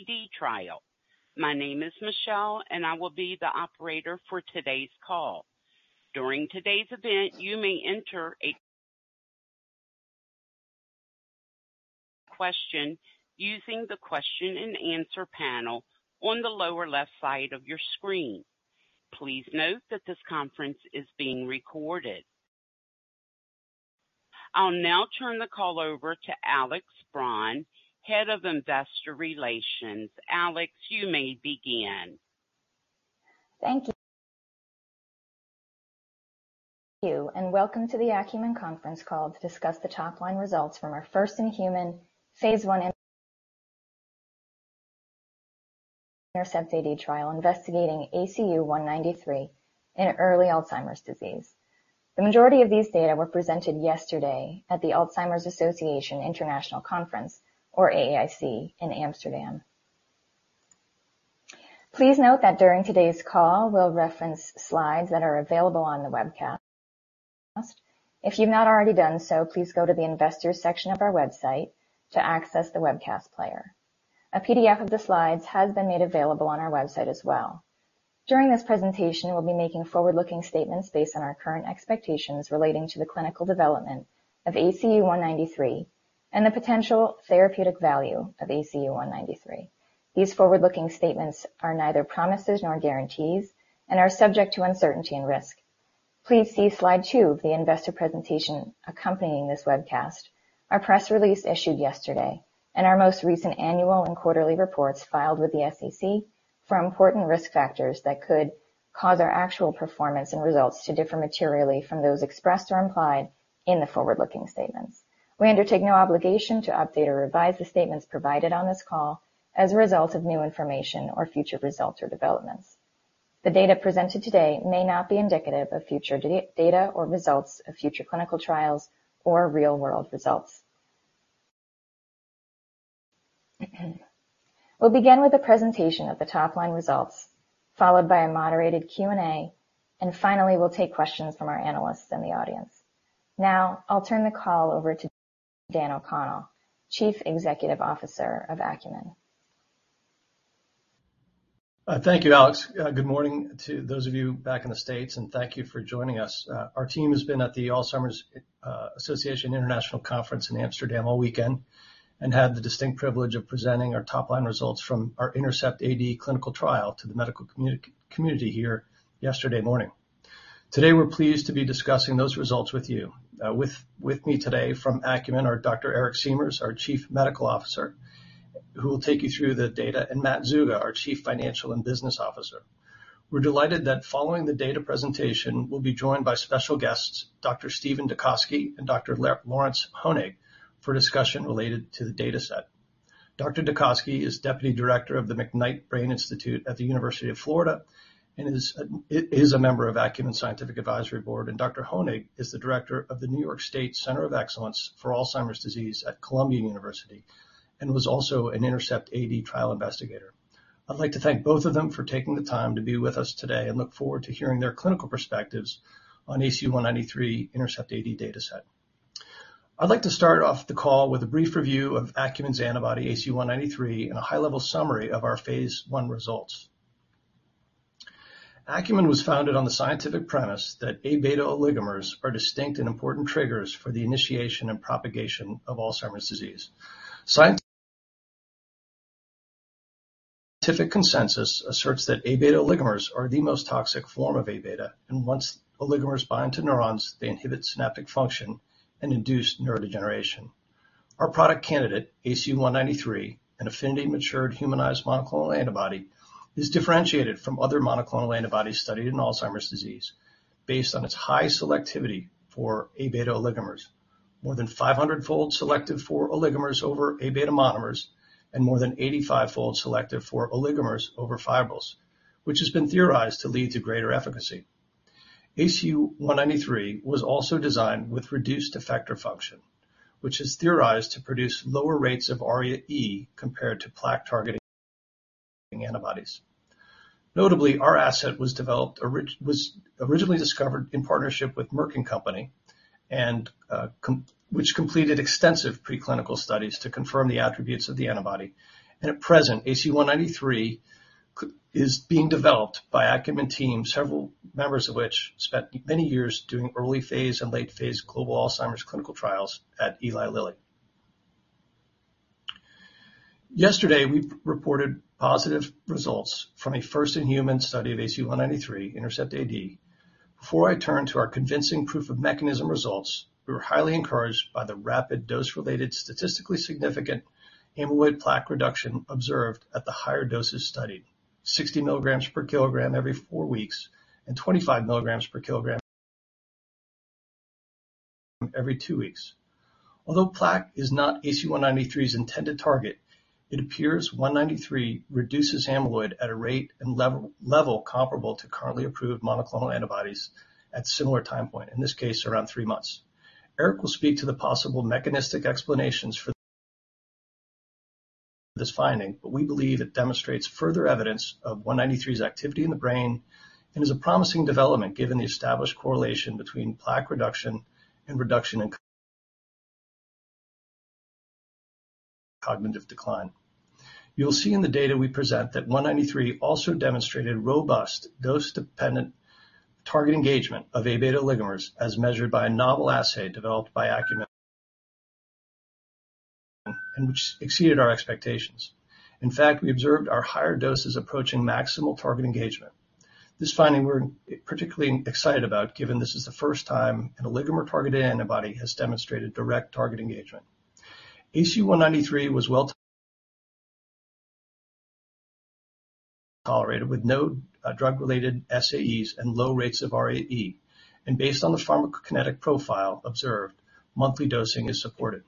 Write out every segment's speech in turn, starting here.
AD trial. My name is Michelle, I will be the operator for today's call. During today's event, you may enter a question using the question and answer panel on the lower left side of your screen. Please note that this conference is being recorded. I'll now turn the call over to Alex Braun, Head of Investor Relations. Alex, you may begin. Thank you. Welcome to the Acumen conference call to discuss the top line results from our first-in-human phase I INTERCEPT-AD trial, investigating ACU193 in early Alzheimer's disease. The majority of these data were presented yesterday at the Alzheimer's Association International Conference, or AAIC, in Amsterdam. Please note that during today's call, we'll reference slides that are available on the webcast. If you've not already done so, please go to the Investors section of our website to access the webcast player. A PDF of the slides has been made available on our website as well. During this presentation, we'll be making forward-looking statements based on our current expectations relating to the clinical development of ACU193 and the potential therapeutic value of ACU193. These forward-looking statements are neither promises nor guarantees and are subject to uncertainty and risk. Please see slide two of the investor presentation accompanying this webcast, our press release issued yesterday, and our most recent annual and quarterly reports filed with the SEC for important risk factors that could cause our actual performance and results to differ materially from those expressed or implied in the forward-looking statements. We undertake no obligation to update or revise the statements provided on this call as a result of new information or future results or developments. The data presented today may not be indicative of future data or results of future clinical trials or real-world results. We'll begin with a presentation of the top-line results, followed by a moderated Q&A, and finally, we'll take questions from our analysts and the audience. Now, I'll turn the call over to Dan O'Connell, Chief Executive Officer of Acumen. Thank you, Alex. Good morning to those of you back in the States, and thank you for joining us. Our team has been at the Alzheimer's Association International Conference in Amsterdam all weekend and had the distinct privilege of presenting our top-line results from our INTERCEPT-AD clinical trial to the medical community here yesterday morning. Today, we're pleased to be discussing those results with you. With me today from Acumen are Dr. Eric Siemers, our Chief Medical Officer, who will take you through the data, and Matt Zuga, our Chief Financial and Business Officer. We're delighted that following the data presentation, we'll be joined by special guests, Dr. Steven DeKosky and Dr. Lawrence Honig, for a discussion related to the data set. DeKosky is Deputy Director of the McKnight Brain Institute at the University of Florida and is a member of Acumen Scientific Advisory Board. Dr. Honig is the Director of the New York State Center of Excellence for Alzheimer's Disease at Columbia University and was also an INTERCEPT-AD trial investigator. I'd like to thank both of them for taking the time to be with us today and look forward to hearing their clinical perspectives on ACU193 INTERCEPT-AD data set. I'd like to start off the call with a brief review of Acumen's antibody, ACU193, and a high-level summary of our phase I results. Acumen was founded on the scientific premise that Aβ oligomers are distinct and important triggers for the initiation and propagation of Alzheimer's disease. Scientific consensus asserts that Aβ oligomers are the most toxic form of Aβ, and once oligomers bind to neurons, they inhibit synaptic function and induce neurodegeneration. Our product candidate, ACU193, an affinity-matured, humanized monoclonal antibody, is differentiated from other monoclonal antibodies studied in Alzheimer's disease based on its high selectivity for Aβ oligomers. More than 500-fold selective for oligomers over Aβ monomers, and more than 85-fold selective for oligomers over fibrils, which has been theorized to lead to greater efficacy. ACU193 was also designed with reduced effector function, which is theorized to produce lower rates of ARIA-E compared to plaque-targeting antibodies. Notably, our asset was developed was originally discovered in partnership with Merck & Co., Inc., and which completed extensive preclinical studies to confirm the attributes of the antibody, and at present, ACU193 is being developed by Acumen team, several members of which spent many years doing early-phase and late-phase global Alzheimer's clinical trials at Eli Lilly. Yesterday, we reported positive results from a first-in-human study of ACU193 INTERCEPT-AD. Before I turn to our convincing proof of mechanism results, we were highly encouraged by the rapid dose-related, statistically significant amyloid plaque reduction observed at the higher doses studied, 60 milligrams per kilogram every 4 weeks and 25 milligrams per kilogram every 2 weeks. Although plaque is not ACU193's intended target, it appears 193 reduces amyloid at a rate and level comparable to currently approved monoclonal antibodies at similar time point, in this case, around 3 months. Eric will speak to the possible mechanistic explanations for this finding, but we believe it demonstrates further evidence of 193's activity in the brain and is a promising development, given the established correlation between plaque reduction and reduction in cognitive decline. You'll see in the data we present that 193 also demonstrated robust dose-dependent target engagement of Aβ oligomers, as measured by a novel assay developed by Acumen, and which exceeded our expectations. In fact, we observed our higher doses approaching maximal target engagement. This finding we're particularly excited about, given this is the first time an oligomeric targeted antibody has demonstrated direct target engagement. ACU193 was well tolerated, with no drug-related SAEs and low rates of ARIA-E. Based on the pharmacokinetic profile observed, monthly dosing is supported.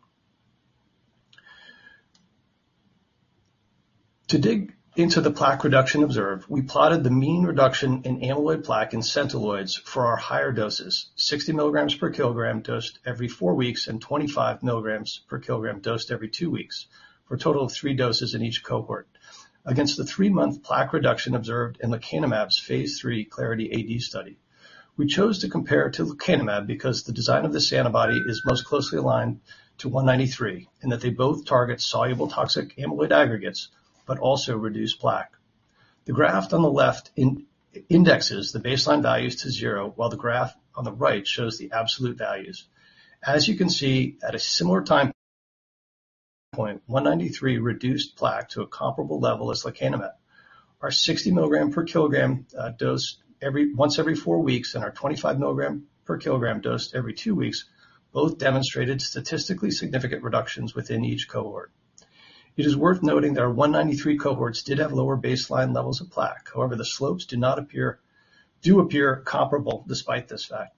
To dig into the plaque reduction observed, we plotted the mean reduction in amyloid plaque and Centiloids for our higher doses, 60 milligrams per kilogram dosed every 4 weeks, and 25 milligrams per kilogram dosed every 2 weeks, for a total of 3 doses in each cohort. Against the 3-month plaque reduction observed in lecanemab's phase III Clarity AD study. We chose to compare to lecanemab because the design of this antibody is most closely aligned to ACU193, in that they both target soluble toxic amyloid aggregates but also reduce plaque. The graph on the left indexes the baseline values to 0, while the graph on the right shows the absolute values. As you can see, at a similar time point, ACU193 reduced plaque to a comparable level as lecanemab. Our 60 mg/kg dose once every 4 weeks and our 25 mg/kg dose every 2 weeks, both demonstrated statistically significant reductions within each cohort. It is worth noting that our ACU193 cohorts did have lower baseline levels of plaque. However, the slopes do appear comparable despite this fact.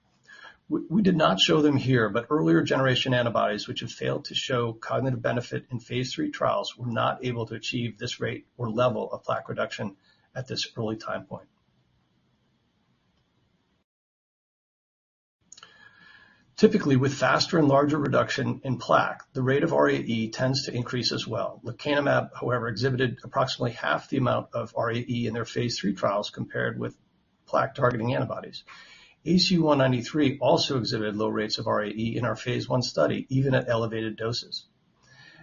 We did not show them here, but earlier-generation antibodies, which have failed to show cognitive benefit in phase III trials, were not able to achieve this rate or level of plaque reduction at this early time point. Typically, with faster and larger reduction in plaque, the rate of ARIA tends to increase as well. Lecanemab, however, exhibited approximately half the amount of ARIA in their phase III trials compared with plaque-targeting antibodies. ACU193 also exhibited low rates of ARIA-E in our phase I study, even at elevated doses.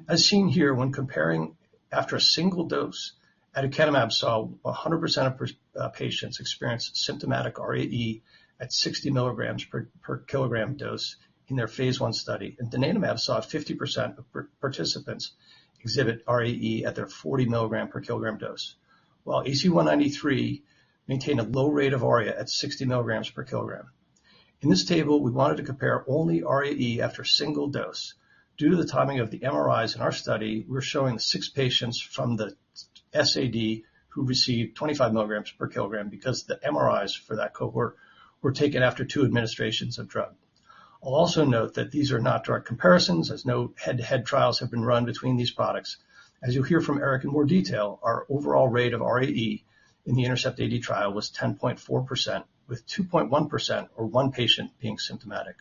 As seen here, when comparing after a single dose, aducanumab saw 100% of patients experience symptomatic ARIA-E at 60 milligrams per kilogram dose in their phase I study. Donanemab saw 50% of participants exhibit ARIA-E at their 40 milligram per kilogram dose, while ACU193 maintained a low rate of ARIA at 60 milligrams per kilogram. In this table, we wanted to compare only ARIA-E after single dose. Due to the timing of the MRIs in our study, we're showing 6 patients from the SAD who received 25 milligrams per kilogram because the MRIs for that cohort were taken after 2 administrations of drug. I'll also note that these are not direct comparisons, as no head-to-head trials have been run between these products. As you'll hear from Eric in more detail, our overall rate of ARIA-E in the INTERCEPT-AD trial was 10.4%, with 2.1%, or one patient, being symptomatic.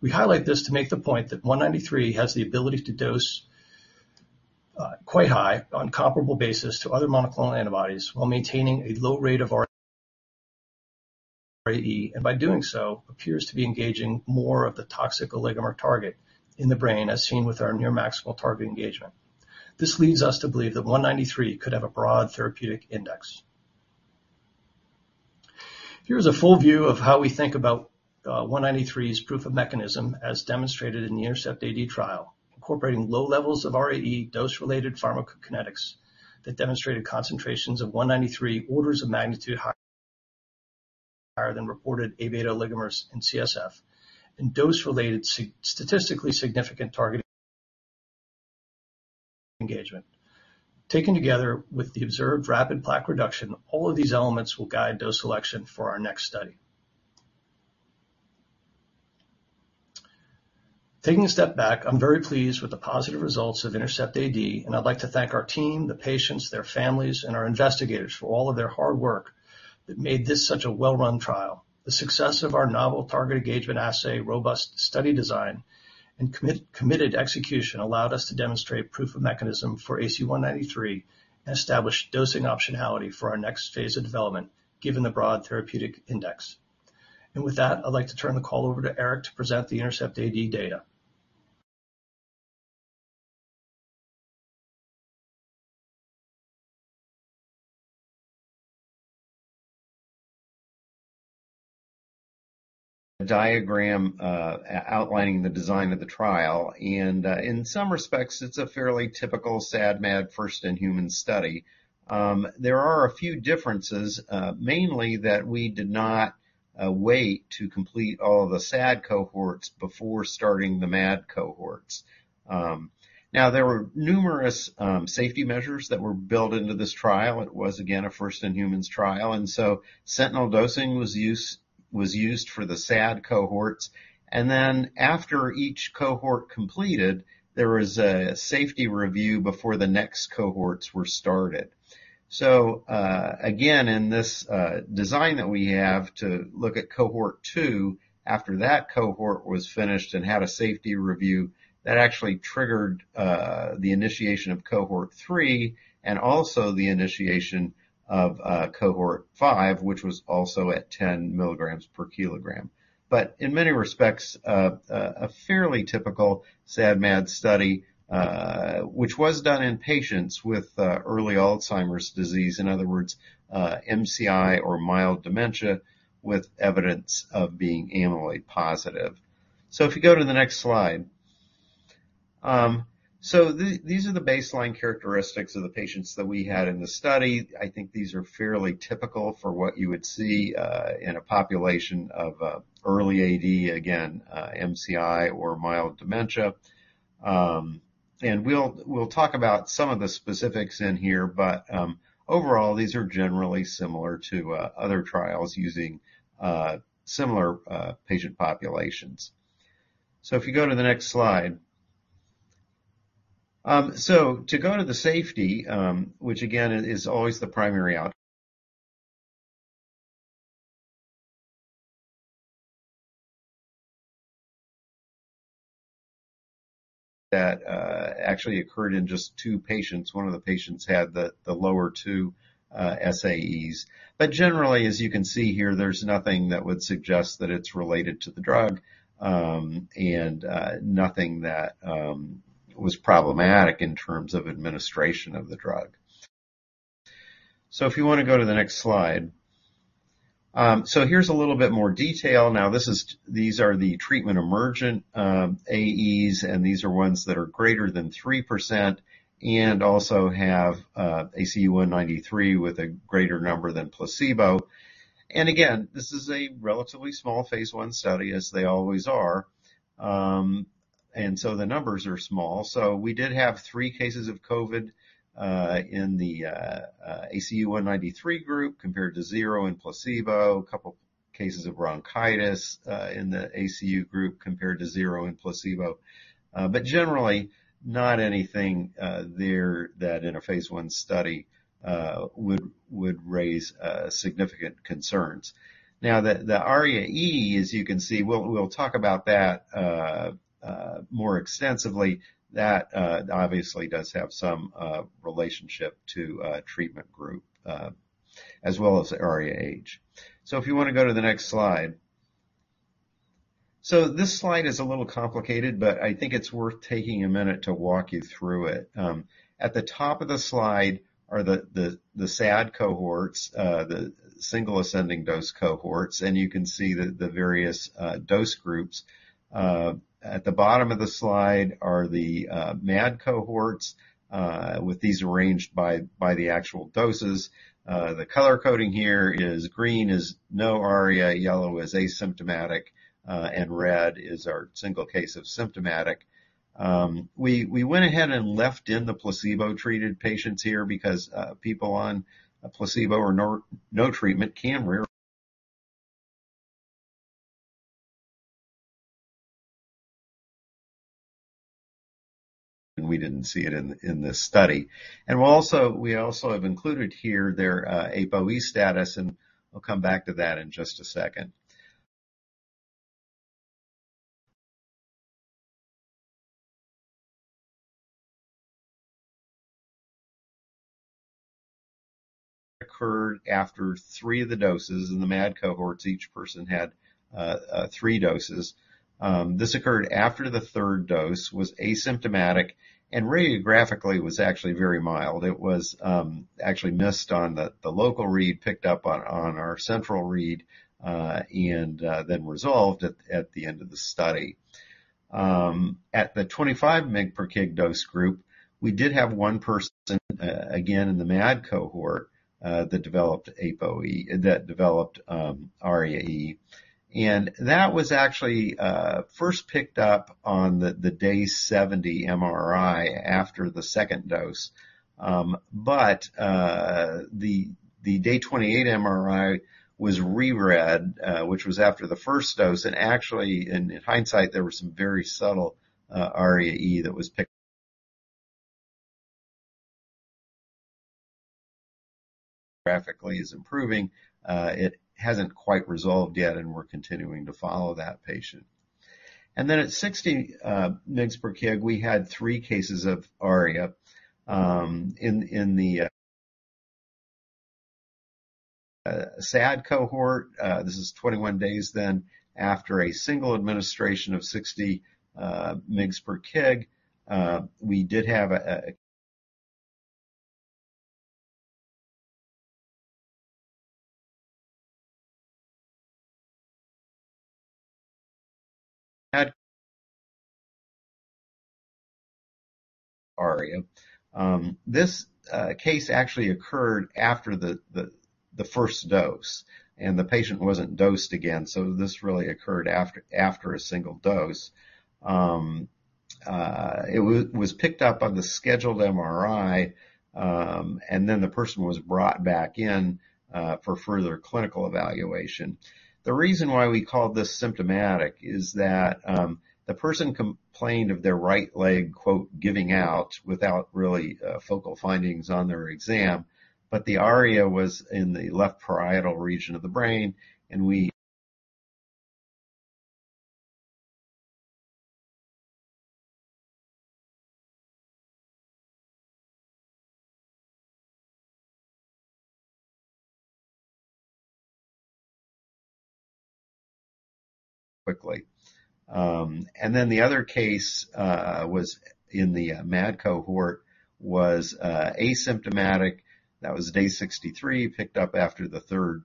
We highlight this to make the point that ACU193 has the ability to dose quite high on comparable basis to other monoclonal antibodies while maintaining a low rate of ARIA-E, and by doing so, appears to be engaging more of the toxic oligomeric target in the brain, as seen with our near maximal target engagement. This leads us to believe that ACU193 could have a broad therapeutic index. Here's a full view of how we think about 193's proof of mechanism, as demonstrated in the INTERCEPT-AD trial, incorporating low levels of ARIA-E dose-related pharmacokinetics that demonstrated concentrations of 193 orders of magnitude higher than reported Aβ oligomers in CSF and dose-related statistically significant target engagement. Taken together with the observed rapid plaque reduction, all of these elements will guide dose selection for our next study. Taking a step back, I'm very pleased with the positive results of INTERCEPT-AD, and I'd like to thank our team, the patients, their families, and our investigators for all of their hard work that made this such a well-run trial. The success of our novel target engagement assay, robust study design, and committed execution allowed us to demonstrate proof of mechanism for ACU193 and establish dosing optionality for our next phase of development, given the broad therapeutic index. With that, I'd like to turn the call over to Eric to present the INTERCEPT-AD data. A diagram outlining the design of the trial, in some respects, it's a fairly typical SAD/MAD first-in-human study. There are a few differences, mainly that we did not wait to complete all the SAD cohorts before starting the MAD cohorts. Now, there were numerous safety measures that were built into this trial. It was, again, a first-in-humans trial, and so sentinel dosing was used for the SAD cohorts. After each cohort completed, there was a safety review before the next cohorts were started. Again, in this design that we have to look at cohort two, after that cohort was finished and had a safety review, that actually triggered the initiation of cohort three, and also the initiation of cohort five, which was also at 10 milligrams per kilogram. In many respects, a fairly typical SAD/MAD study, which was done in patients with early Alzheimer's disease, in other words, MCI or mild dementia, with evidence of being amyloid positive. If you go to the next slide. These are the baseline characteristics of the patients that we had in the study. I think these are fairly typical for what you would see in a population of early AD, again, MCI or mild dementia. We'll talk about some of the specifics in here, but overall, these are generally similar to other trials using similar patient populations. If you go to the next slide. To go to the safety, which again, is always the primary that actually occurred in just two patients. One of the patients had the lower 2 SAEs. Generally, as you can see here, there's nothing that would suggest that it's related to the drug, and nothing that was problematic in terms of administration of the drug. If you want to go to the next slide. Here's a little bit more detail. These are the treatment-emergent AEs, and these are ones that are greater than 3% and also have ACU193 with a greater number than placebo. Again, this is a relatively small phase I study, as they always are. The numbers are small. We did have 3 cases of COVID in the ACU193 group, compared to 0 in placebo. A couple cases of bronchitis in the ACU group, compared to 0 in placebo. Generally, not anything there that in a phase I study would raise significant concerns. The ARIA-E, as you can see, we'll talk about that more extensively. That obviously does have some relationship to treatment group as well as ARIA-H. If you want to go to the next slide. This slide is a little complicated, but I think it's worth taking a minute to walk you through it. At the top of the slide are the SAD cohorts, the single ascending dose cohorts, and you can see the various dose groups. At the bottom of the slide are the MAD cohorts, with these arranged by the actual doses. The color coding here is green is no ARIA, yellow is asymptomatic, and red is our single case of symptomatic. We went ahead and left in the placebo-treated patients here because people on a placebo or no treatment can rare- and we didn't see it in this study. We also have included here their APOE status, and I'll come back to that in just a second. Occurred after 3 of the doses. In the MAD cohorts, each person had 3 doses. This occurred after the 3rd dose, was asymptomatic, and radiographically was actually very mild. It was actually missed on the local read, picked up on our central read, and then resolved at the end of the study. At the 25 mg/kg dose group, we did have one person, again, in the MAD cohort, that developed ARIA-E. That was actually, first picked up on the day 70 MRI after the second dose. The day 28 MRI was reread, which was after the first dose, and actually, in hindsight, there were some very subtle, ARIA-E that was graphically is improving. It hasn't quite resolved yet, and we're continuing to follow that patient. Then at 60 mg/kg, we had three cases of ARIA. In the SAD cohort, this is 21 days then after a single administration of 60 mg/kg, we did have a ARIA. This case actually occurred after the first dose, and the patient wasn't dosed again, so this really occurred after a single dose. It was picked up on the scheduled MRI, then the person was brought back in for further clinical evaluation. The reason why we call this symptomatic is that the person complained of their right leg, quote, "giving out" without really focal findings on their exam, but the ARIA was in the left parietal region of the brain, quickly. Then the other case was in the MAD cohort, was asymptomatic. That was day 63, picked up after the third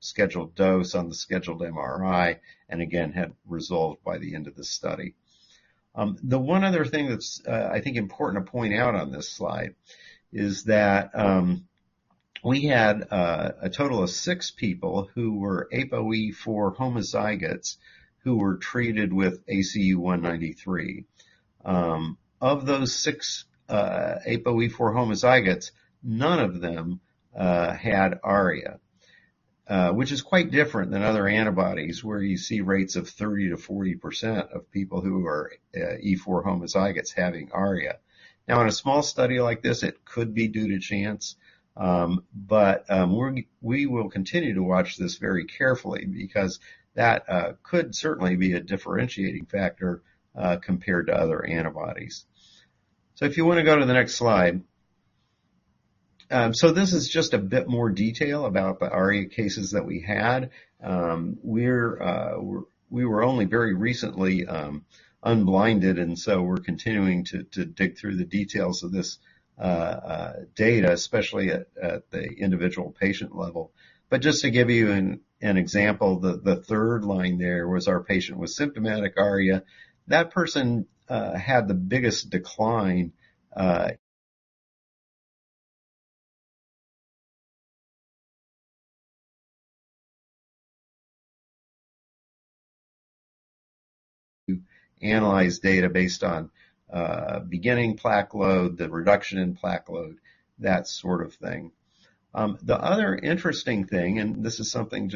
scheduled dose on the scheduled MRI, and again, had resolved by the end of the study. The one other thing that's, I think important to point out on this slide is that we had a total of 6 people who were APOE4 homozygotes who were treated with ACU193. Of those 6 APOE4 homozygotes, none of them had ARIA. Which is quite different than other antibodies, where you see rates of 30%-40% of people who are E4 homozygotes having ARIA. In a small study like this, it could be due to chance. We will continue to watch this very carefully because that could certainly be a differentiating factor compared to other antibodies. If you want to go to the next slide. This is just a bit more detail about the ARIA cases that we had. We were only very recently unblinded, and we're continuing to dig through the details of this data, especially at the individual patient level. Just to give you an example, the third line there was our patient with symptomatic ARIA. That person had the biggest decline to analyze data based on beginning plaque load, the reduction in plaque load, that sort of thing. The other interesting thing, and this is something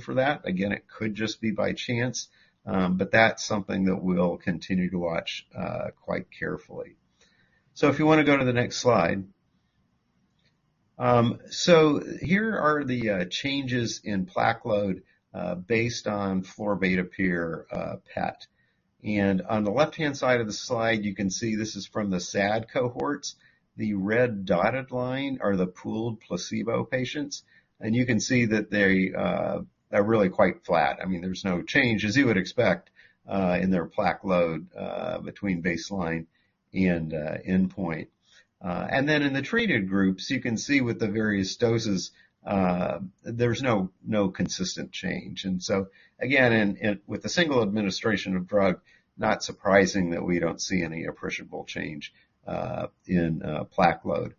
for that, again, it could just be by chance. That's something that we'll continue to watch quite carefully. If you want to go to the next slide. Here are the changes in plaque load based on florbetapir PET. On the left-hand side of the slide, you can see this is from the SAD cohorts. The red dotted line are the pooled placebo patients, and you can see that they are really quite flat. There's no change, as you would expect, in their plaque load between baseline and endpoint. Then in the treated groups, you can see with the various doses, there's no consistent change. Again, in with the single administration of drug, not surprising that we don't see any appreciable change in plaque load.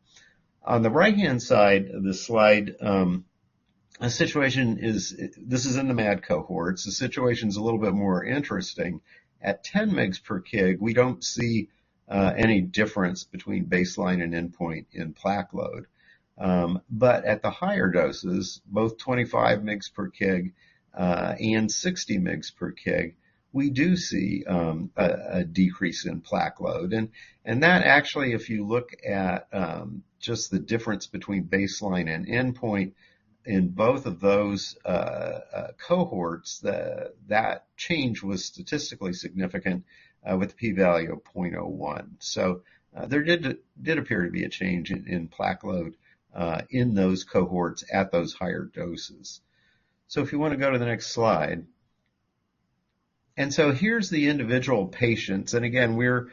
On the right-hand side of the slide, this is in the MAD cohort. The situation's a little bit more interesting. At 10 mgs per kg, we don't see any difference between baseline and endpoint in plaque load. At the higher doses, both 25 mgs per kg and 60 mgs per kg, we do see a decrease in plaque load. That actually, if you look at just the difference between baseline and endpoint in both of those cohorts, that change was statistically significant with p-value of 0.01. There did appear to be a change in plaque load in those cohorts at those higher doses. If you want to go to the next slide. Here's the individual patients. Again, we're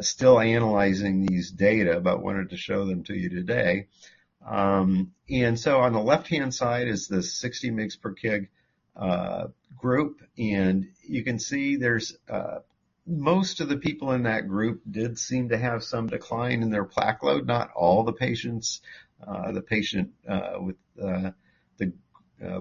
still analyzing these data but wanted to show them to you today. On the left-hand side is the 60 mgs per kg group, and you can see there's... Most of the people in that group did seem to have some decline in their plaque load. Not all the patients. The patient with the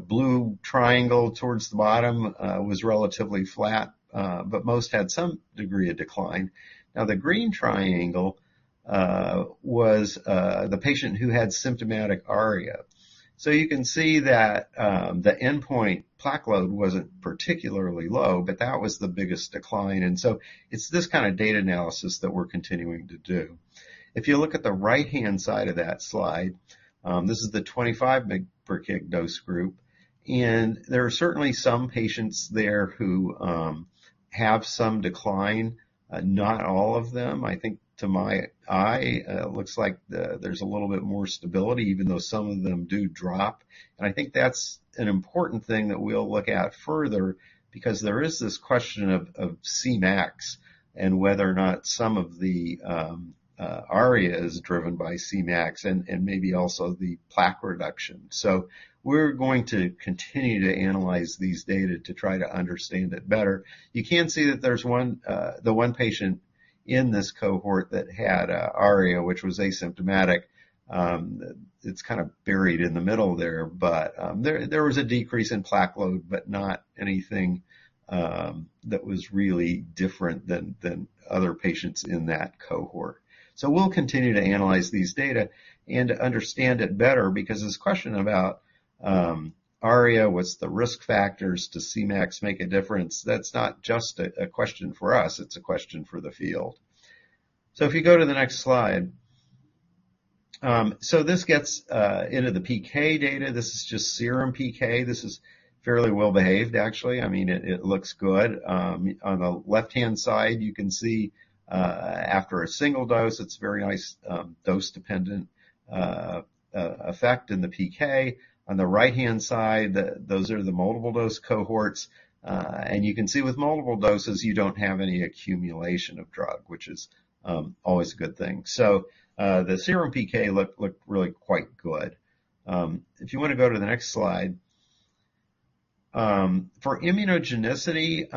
blue triangle towards the bottom was relatively flat, but most had some degree of decline. The green triangle was the patient who had symptomatic ARIA. You can see that the endpoint plaque load wasn't particularly low, but that was the biggest decline. It's this kind of data analysis that we're continuing to do. If you look at the right-hand side of that slide, this is the 25 mg per kg dose group, and there are certainly some patients there who have some decline. Not all of them. I think, to my eye, it looks like there's a little bit more stability, even though some of them do drop. I think that's an important thing that we'll look at further because there is this question of Cmax and whether or not some of the ARIA is driven by Cmax and maybe also the plaque reduction. We're going to continue to analyze these data to try to understand it better. You can see that there's one patient in this cohort that had ARIA, which was asymptomatic. It's kind of buried in the middle there, but there was a decrease in plaque load, but not anything that was really different than other patients in that cohort. We'll continue to analyze these data and to understand it better because this question about ARIA, what's the risk factors? Does Cmax make a difference? That's not just a question for us, it's a question for the field. If you go to the next slide. This gets into the PK data. This is just serum PK. This is fairly well-behaved, actually. It looks good. On the left-hand side, you can see after a single dose, it's very nice, dose-dependent effect in the PK. On the right-hand side, those are the multiple-dose cohorts. You can see with multiple doses, you don't have any accumulation of drug, which is always a good thing. The serum PK looked really quite good. If you wanna go to the next slide. For immunogenicity,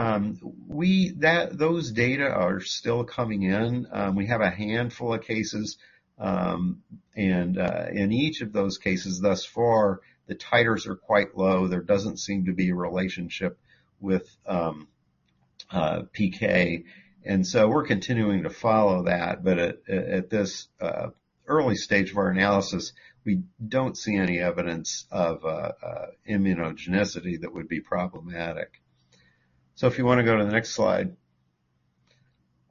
those data are still coming in. We have a handful of cases, and in each of those cases, thus far, the titers are quite low. There doesn't seem to be a relationship with PK, and so we're continuing to follow that. At this early stage of our analysis, we don't see any evidence of immunogenicity that would be problematic. If you wanna go to the next slide.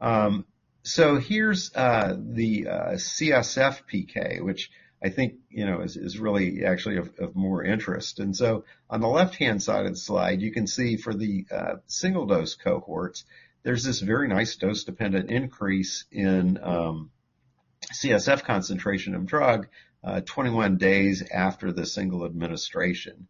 Here's the CSF PK, which I think, is really actually of more interest. On the left-hand side of the slide, you can see for the single-dose cohorts, there's this very nice dose-dependent increase in CSF concentration of drug, 21 days after the single administration.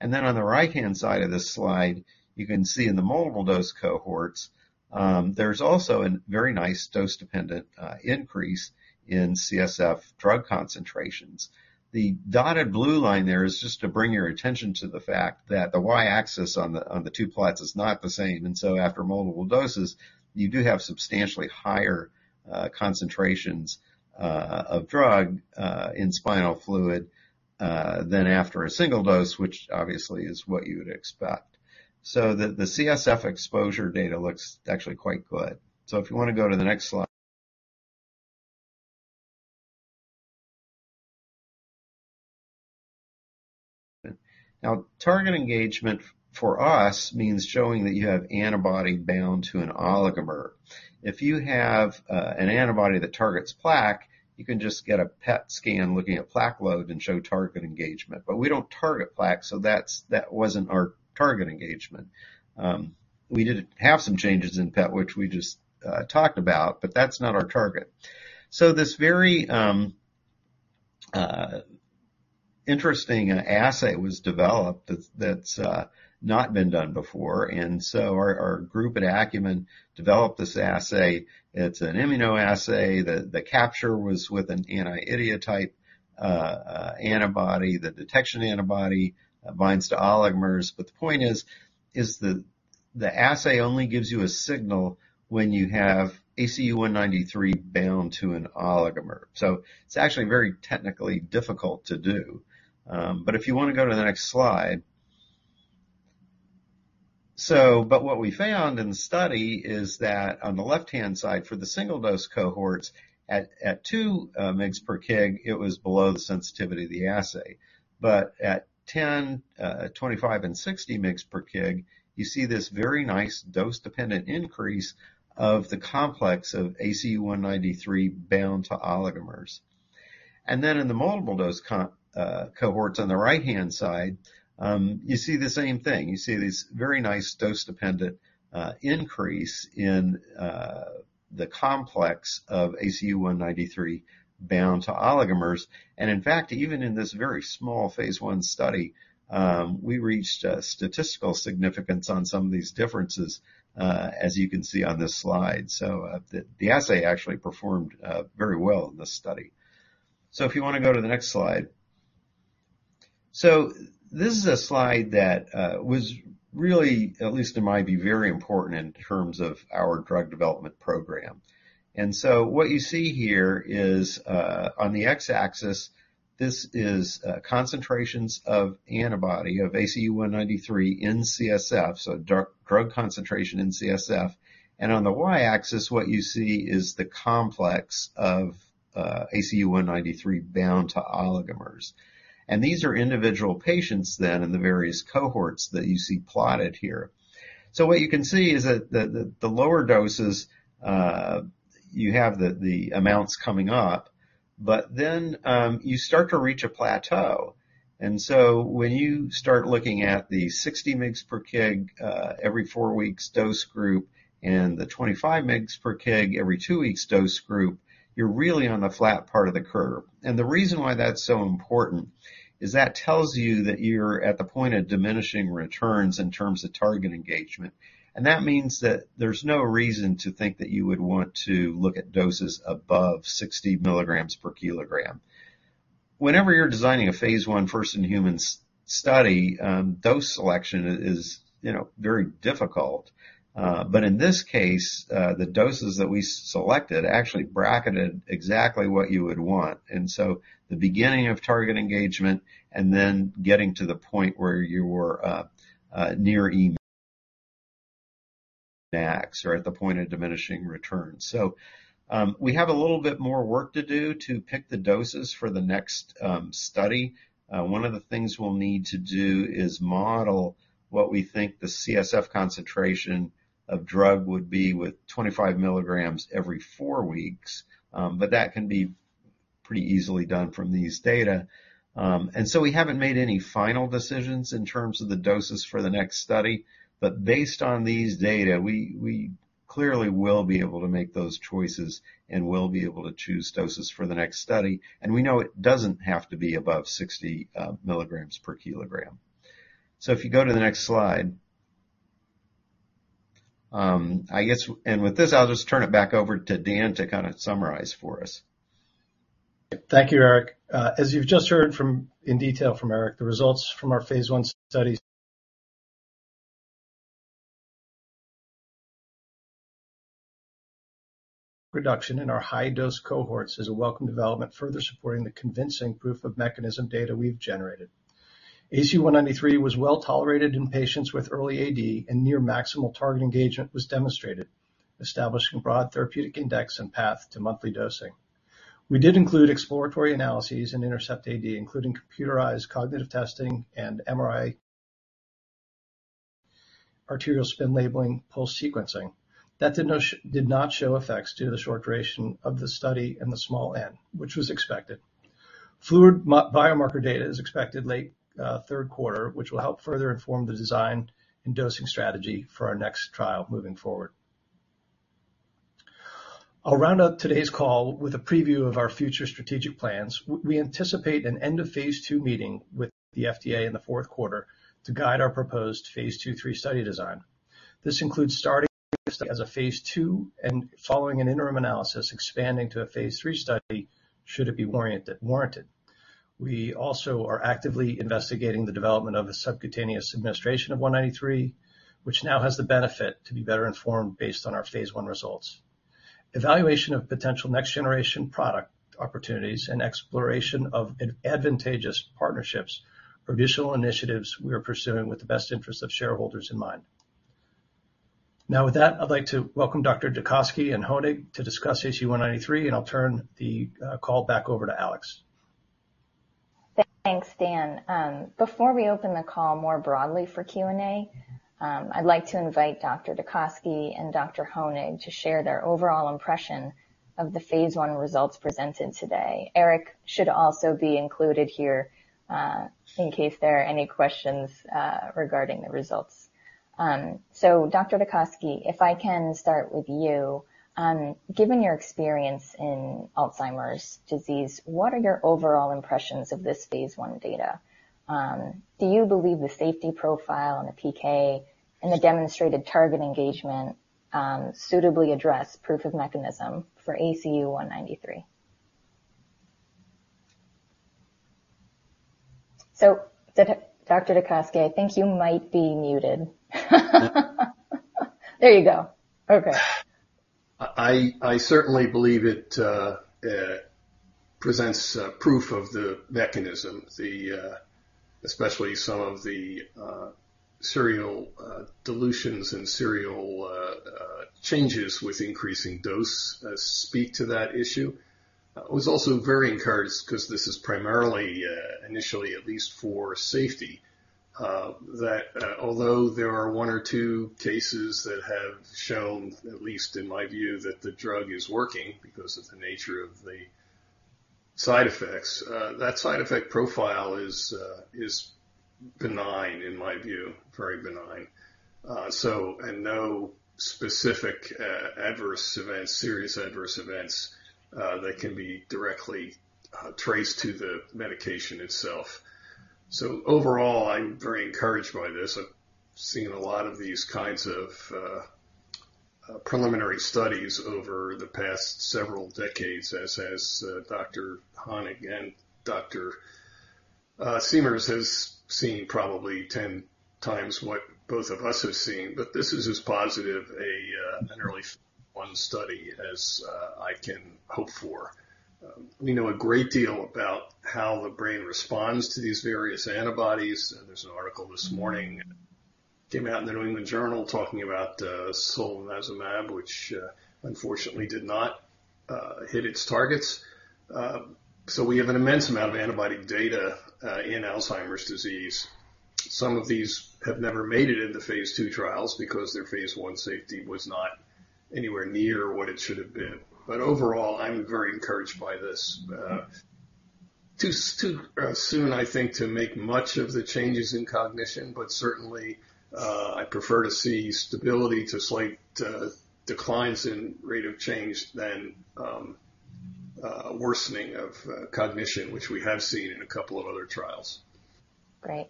On the right-hand side of this slide, you can see in the multiple-dose cohorts, there's also a very nice dose-dependent increase in CSF drug concentrations. The dotted blue line there is just to bring your attention to the fact that the Y-axis on the two plots is not the same, after multiple doses, you do have substantially higher concentrations of drug in spinal fluid than after a single dose, which obviously is what you would expect. The CSF exposure data looks actually quite good. If you wanna go to the next slide. Target engagement for us means showing that you have antibody bound to an oligomer. If you have an antibody that targets plaque, you can just get a PET scan looking at plaque load and show target engagement. We don't target plaque, so that wasn't our target engagement. We did have some changes in PET, which we just talked about, but that's not our target. This very interesting assay was developed that's not been done before, and so our group at Acumen developed this assay. It's an immunoassay. The capture was with an anti-idiotype antibody. The detection antibody binds to oligomers. The point is that the assay only gives you a signal when you have ACU193 bound to an oligomer. It's actually very technically difficult to do. If you wanna go to the next slide. What we found in the study is that on the left-hand side, for the single-dose cohorts, at 2 mgs per kg, it was below the sensitivity of the assay. At 10, at 25 and 60 mg per kg, you see this very nice dose-dependent increase of the complex of ACU193 bound to oligomers. Then, in the multiple-dose cohorts on the right-hand side, you see the same thing. You see this very nice dose-dependent increase in the complex of ACU193 bound to oligomers. In fact, even in this very small phase I study, we reached statistical significance on some of these differences, as you can see on this slide. The, the assay actually performed very well in this study. If you wanna go to the next slide. This is a slide that was really, at least in my view, very important in terms of our drug development program. What you see here is on the X-axis, this is concentrations of antibody of ACU193 in CSF, so drug concentration in CSF, and on the Y-axis, what you see is the complex of ACU193 bound to oligomers. These are individual patients in the various cohorts that you see plotted here. What you can see is that the lower doses, you have the amounts coming up, you start to reach a plateau. When you start looking at the 60 mg/kg every 4 weeks dose group and the 25 mg/kg every 2 weeks dose group, you're really on the flat part of the curve. The reason why that's so important is that tells you that you're at the point of diminishing returns in terms of target engagement. That means that there's no reason to think that you would want to look at doses above 60 milligrams per kilogram. Whenever you're designing a phase I first-in-humans study, dose selection is very difficult. In this case, the doses that we selected actually bracketed exactly what you would want, and so the beginning of target engagement and then getting to the point where you were near Emax or at the point of diminishing return. We have a little bit more work to do to pick the doses for the next study. One of the things we'll need to do is model what we think the CSF concentration of drug would be with 25 milligrams every four weeks. That can be pretty easily done from these data. We haven't made any final decisions in terms of the doses for the next study, but based on these data, we clearly we'll be able to make those choices and we'll be able to choose doses for the next study, and we know it doesn't have to be above 60 milligrams per kilogram. If you go to the next slide. I guess, and with this, I'll just turn it back over to Dan to kinda summarize for us. Thank you, Eric. As you've just heard in detail from Eric, the results from our phase I studies reduction in our high-dose cohorts is a welcome development, further supporting the convincing proof of mechanism data we've generated. ACU193 was well tolerated in patients with early AD, and near maximal target engagement was demonstrated, establishing broad therapeutic index and path to monthly dosing. We did include exploratory analyses in INTERCEPT-AD, including computerized cognitive testing and MRI, arterial spin labeling, pulse sequencing. That did not show effects due to the short duration of the study and the small N, which was expected. Fluid biomarker data is expected late Q3, which will help further inform the design and dosing strategy for our next trial moving forward. I'll round up today's call with a preview of our future strategic plans. We anticipate an end of phase II meeting with the FDA in the Q4 to guide our proposed phase II, III study design. This includes starting as a phase II and following an interim analysis, expanding to a phase III study, should it be warranted. We also are actively investigating the development of a subcutaneous administration of 193, which now has the benefit to be better informed based on our phase I results. Evaluation of potential next-generation product opportunities and exploration of advantageous partnerships are additional initiatives we are pursuing with the best interest of shareholders in mind. With that, I'd like to welcome Dr. DeKosky and Honig to discuss ACU193, and I'll turn the call back over to Alex. Thanks, Dan. Before we open the call more broadly for Q&A, I'd like to invite Dr. DeKosky and Dr. Honig to share their overall impression of the phase I results presented today. Eric should also be included here, in case there are any questions, regarding the results. Dr. DeKosky, if I can start with you. Given your experience in Alzheimer's disease, what are your overall impressions of this phase I data? Do you believe the safety profile and the PK and the demonstrated target engagement, suitably address proof of mechanism for ACU-193? Dr. DeKosky, I think you might be muted. There you go. Okay. I certainly believe it presents proof of the mechanism, the... especially some of the serial dilutions and serial changes with increasing dose speak to that issue. I was also very encouraged 'cause this is primarily initially at least for safety, that although there are one or two cases that have shown, at least in my view, that the drug is working because of the nature of the side effects, that side effect profile is benign in my view, very benign. No specific Adverse Events, Serious Adverse Events that can be directly traced to the medication itself. Overall, I'm very encouraged by this. I've seen a lot of these kinds of preliminary studies over the past several decades, As has Dr. Honig and Dr. Siemers has seen probably 10 times what both of us have seen. This is as positive an early one study as I can hope for. We know a great deal about how the brain responds to these various antibodies. There's an article this morning, came out in the New England Journal talking about solanezumab, which unfortunately did not hit its targets. We have an immense amount of antibody data in Alzheimer's disease. Some of these have never made it into phase II trials because their phase I safety was not anywhere near what it should have been. Overall, I'm very encouraged by this. Too soon, I think, to make much of the changes in cognition, but certainly, I prefer to see stability to slight declines in rate of change than worsening of cognition, which we have seen in a couple of other trials. Great.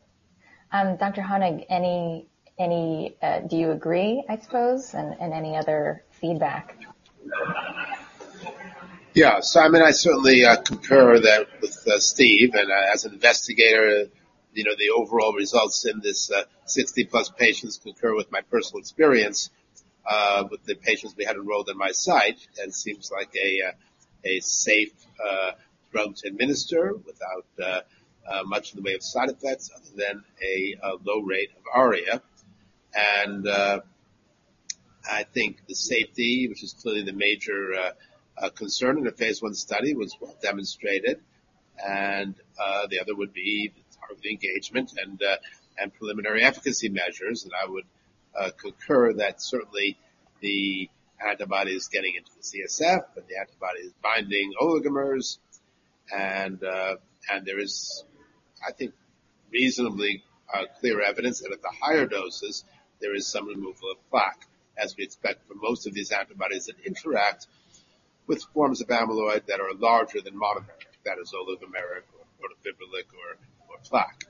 Dr. Honig, any, Do you agree, I suppose, and any other feedback? I certainly concur that with Steve, as an investigator, the overall results in this 60-plus patients concur with my personal experience with the patients we had enrolled in my site. Seems like a safe drug to administer without much in the way of side effects other than a low rate of ARIA. I think the safety, which is clearly the major concern in the phase I study, was well demonstrated, the other would be the target engagement and and preliminary efficacy measures. I would, concur that certainly the antibody is getting into the CSF, but the antibody is binding oligomers.... There is, I think, reasonably, clear evidence that at the higher doses, there is some removal of plaque, as we expect for most of these antibodies that interact with forms of amyloid that are larger than monomer, that is oligomeric or fibrillar or plaque.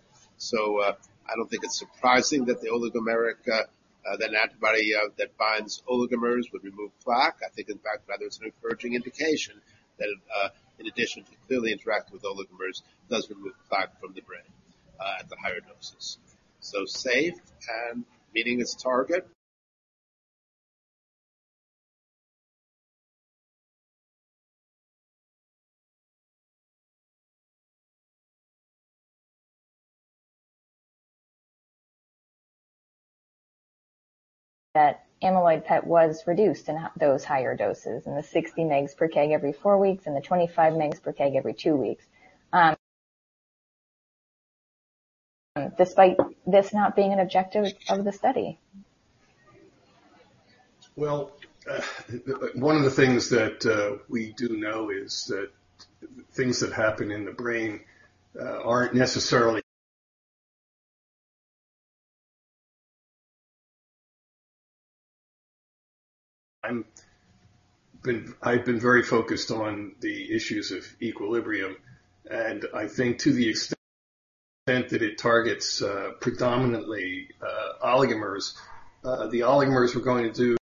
I don't think it's surprising that the oligomeric, that antibody, that binds oligomers would remove plaque. I think, in fact, rather, it's an encouraging indication that, in addition to clearly interacting with oligomers, does remove plaque from the brain, at the higher doses. Safe and meeting its target. That amyloid PET was reduced in those higher doses, in the 60 mgs per kg every 4 weeks, and the 25 mgs per kg every 2 weeks. Despite this not being an objective of the study. Well, one of the things that we do know is that things that happen in the brain aren't necessarily. I've been very focused on the issues of equilibrium, and I think to the extent that it targets predominantly oligomers, the oligomers were going to do.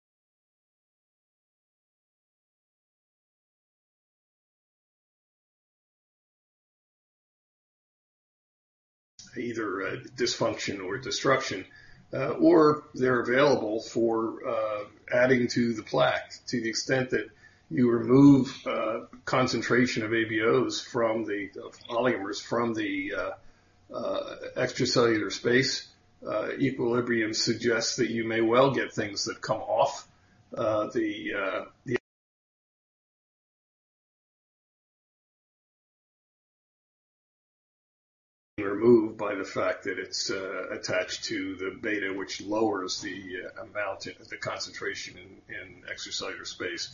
Either dysfunction or disruption, or they're available for adding to the plaque. To the extent that you remove concentration of AβOs from the oligomers, from the extracellular space, equilibrium suggests that you may well get things that come off the. Removed by the fact that it's attached to the beta, which lowers the amount, the concentration in extracellular space.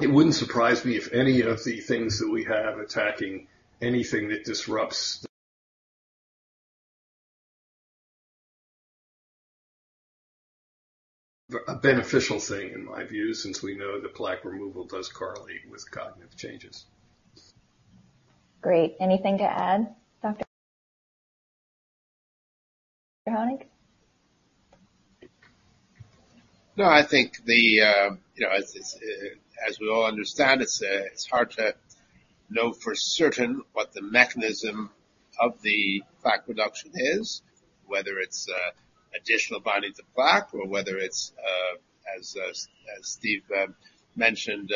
It wouldn't surprise me if any of the things that we have attacking anything that disrupts. A beneficial thing, in my view, since we know the plaque removal does correlate with cognitive changes. Great. Anything to add, Dr. Honig? No, I think the, as we all understand, it's hard to know for certain what the mechanism of the plaque reduction is, whether it's additional binding to plaque or whether it's as Steve mentioned,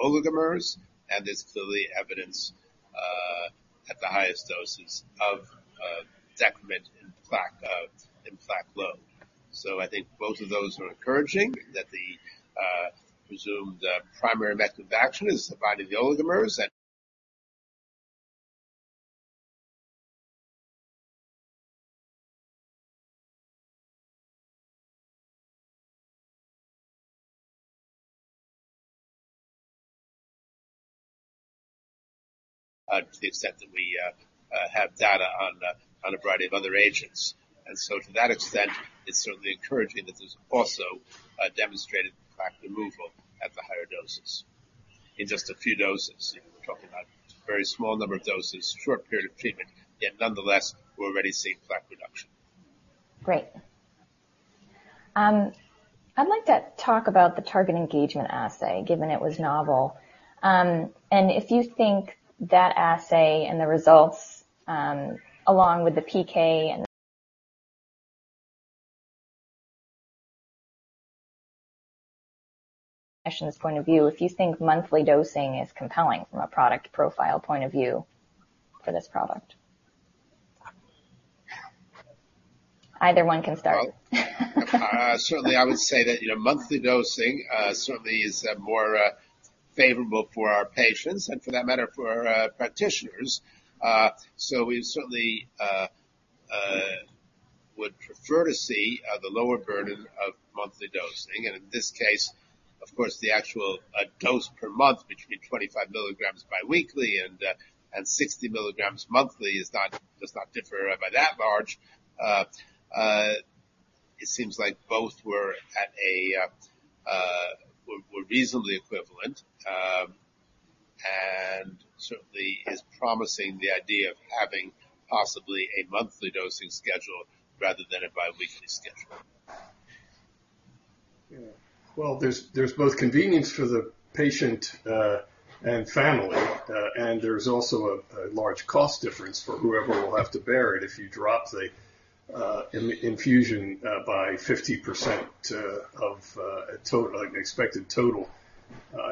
oligomers, and there's clearly evidence at the highest doses of decrement in plaque in plaque load. I think both of those are encouraging, that the presumed primary method of action is the binding the oligomers. To the extent that we have data on a variety of other agents. To that extent, it's certainly encouraging that there's also a demonstrated plaque removal at the higher doses. In just a few doses. We're talking about a very small number of doses, short period of treatment, yet nonetheless, we're already seeing plaque reduction. Great. I'd like to talk about the target engagement assay, given it was novel. If you think that assay and the results, along with the PK and clinician's point of view, if you think monthly dosing is compelling from a product profile point of view for this product? Either one can start. Certainly I would say that, monthly dosing, certainly is more favorable for our patients and for that matter, for our practitioners. We certainly would prefer to see the lower burden of monthly dosing. In this case, of course, the actual dose per month between 25 milligrams biweekly and 60 milligrams monthly does not differ by that much. It seems like both were reasonably equivalent, and certainly is promising the idea of having possibly a monthly dosing schedule rather than a biweekly schedule. There's both convenience for the patient, and family, and there's also a large cost difference for whoever will have to bear it if you drop the infusion, by 50%, of a total like an expected total.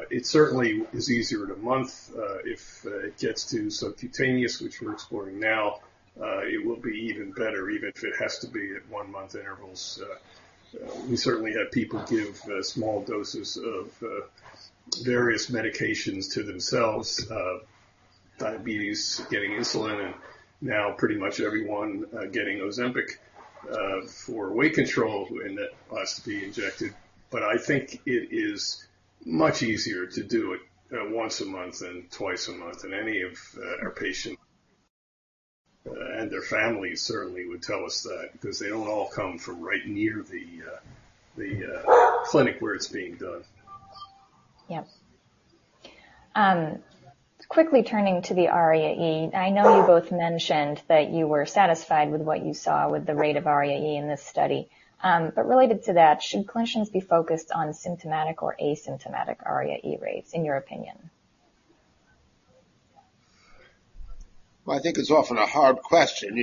It certainly is easier in a month, if it gets to subcutaneous, which we're exploring now. It will be even better, even if it has to be at one-month intervals. We certainly have people give small doses of various medications to themselves. Diabetes, getting insulin, and now pretty much everyone getting Ozempic for weight control, and that has to be injected. I think it is much easier to do it once a month than twice a month, and any of our patients and their families certainly would tell us that because they don't all come from right near the clinic where it's being done. Yes. Quickly turning to the ARIA-E, I know you both mentioned that you were satisfied with what you saw with the rate of ARIA-E in this study. Related to that, should clinicians be focused on symptomatic or asymptomatic ARIA-E rates, in your opinion? I think it's often a hard question.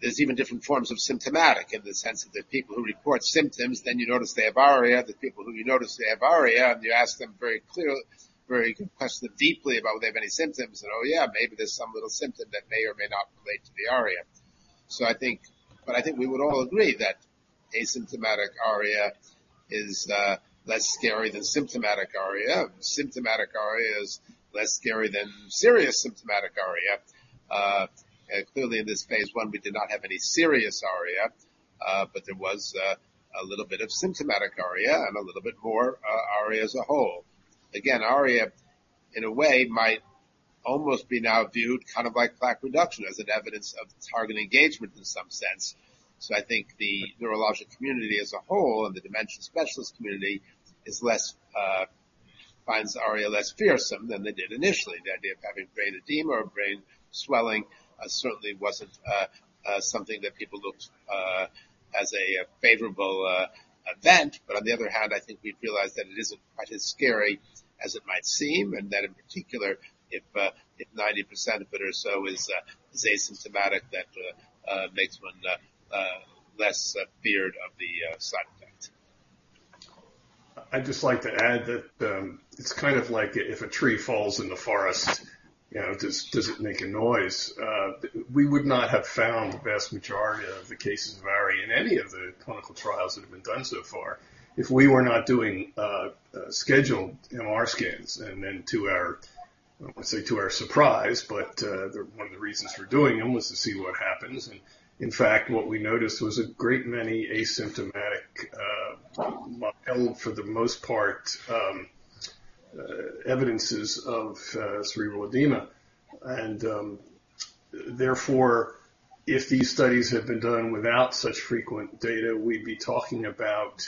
There's even different forms of symptomatic in the sense that there are people who report symptoms, then you notice they have ARIA. The people who you notice they have ARIA, and you ask them, you question them deeply about whether they have any symptoms, and, oh, yeah, maybe there's some little symptom that may or may not relate to the ARIA. I think we would all agree that asymptomatic ARIA is less scary than symptomatic ARIA. Symptomatic ARIA is less scary than serious symptomatic ARIA. Clearly, in this phase I, we did not have any serious ARIA, but there was a little bit of symptomatic ARIA and a little bit more ARIA as a whole. ARIA, in a way, might almost be now viewed kind of like plaque reduction as an evidence of target engagement in some sense. I think the neurologic community as a whole and the dementia specialist community is less finds ARIA less fearsome than they did initially. The idea of having brain edema or brain swelling certainly wasn't something that people looked as a favorable event. On the other hand, I think we've realized that it isn't quite as scary as it might seem, and that in particular, if 90% of it or so is asymptomatic, that makes one less feared of the side effect. I'd just like to add that it's kind of like if a tree falls in the forest, does it make a noise? We would not have found the vast majority of the cases of ARIA in any of the clinical trials that have been done so far if we were not doing scheduled MR scans. Then to our, I wouldn't say to our surprise, but one of the reasons for doing them was to see what happens, and in fact, what we noticed was a great many asymptomatic, mild, for the most part, evidences of cerebral edema. Therefore, if these studies had been done without such frequent data, we'd be talking about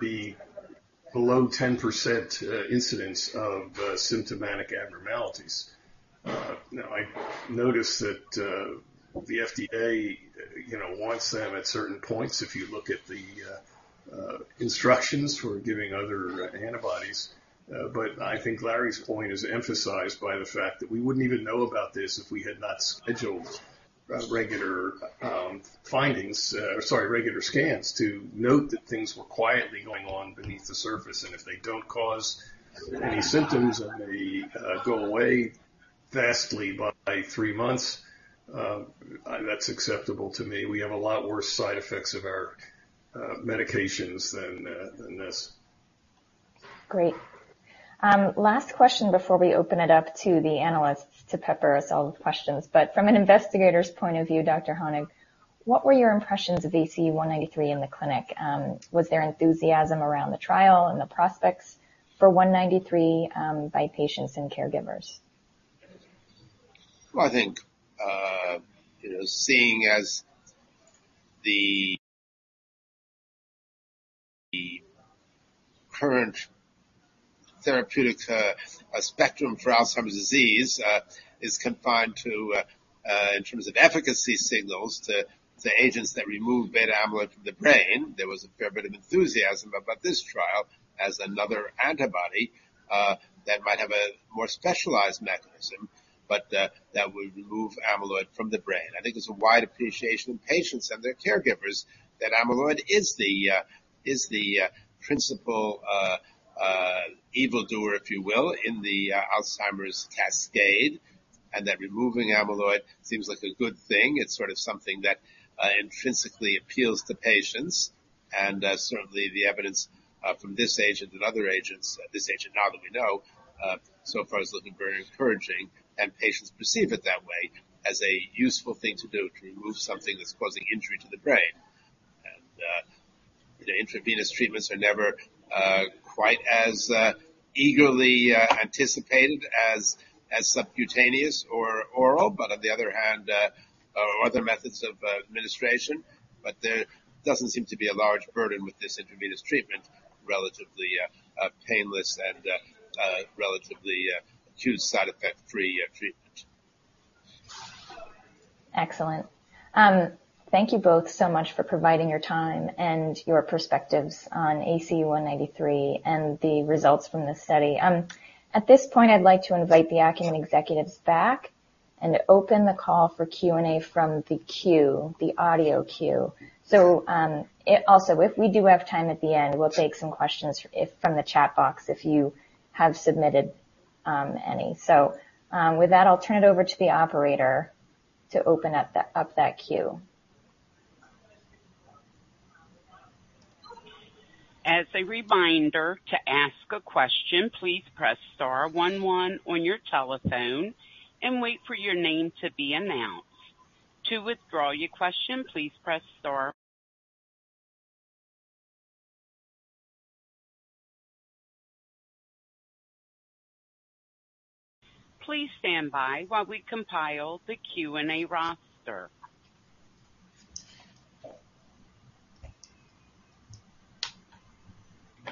the below 10% incidence of symptomatic abnormalities. Now, I noticed that the FDA, wants them at certain points if you look at the instructions for giving other antibodies. I think Larry's point is emphasized by the fact that we wouldn't even know about this if we had not scheduled regular findings, sorry, regular scans to note that things were quietly going on beneath the surface. If they don't cause any symptoms and they go away vastly by three months, that's acceptable to me. We have a lot worse side effects of our medications than this. Great. Last question before we open it up to the analysts to pepper us all with questions. From an investigator's point of view, Dr. Honig, what were your impressions of ACU193 in the clinic? Was there enthusiasm around the trial and the prospects for 193 by patients and caregivers? Well, I think, seeing as the current therapeutic spectrum for Alzheimer's disease is confined to in terms of efficacy signals, to agents that remove beta amyloid from the brain. There was a fair bit of enthusiasm about this trial as another antibody that might have a more specialized mechanism, but that would remove amyloid from the brain. I think there's a wide appreciation in patients and their caregivers that amyloid is the principal evildoer, if you will, in the Alzheimer's cascade, and that removing amyloid seems like a good thing. It's sort of something that intrinsically appeals to patients. Certainly the evidence from this agent and other agents, this agent, now that we know, so far is looking very encouraging, and patients perceive it that way, as a useful thing to do to remove something that's causing injury to the brain. Intravenous treatments are never quite as eagerly anticipated as subcutaneous or oral, but on the other hand, or other methods of administration, but there doesn't seem to be a large burden with this intravenous treatment, relatively painless and relatively acute side effect-free treatment. Excellent. Thank you both so much for providing your time and your perspectives on ACU193 and the results from this study. At this point, I'd like to invite the Acumen executives back and open the call for Q&A from the queue, the audio queue. It also, if we do have time at the end, we'll take some questions if from the chat box, if you have submitted any. With that, I'll turn it over to the operator to open up that queue. As a reminder, to ask a question, please press star 1 1 on your telephone and wait for your name to be announced. To withdraw your question, please press star. Please stand by while we compile the Q&A roster.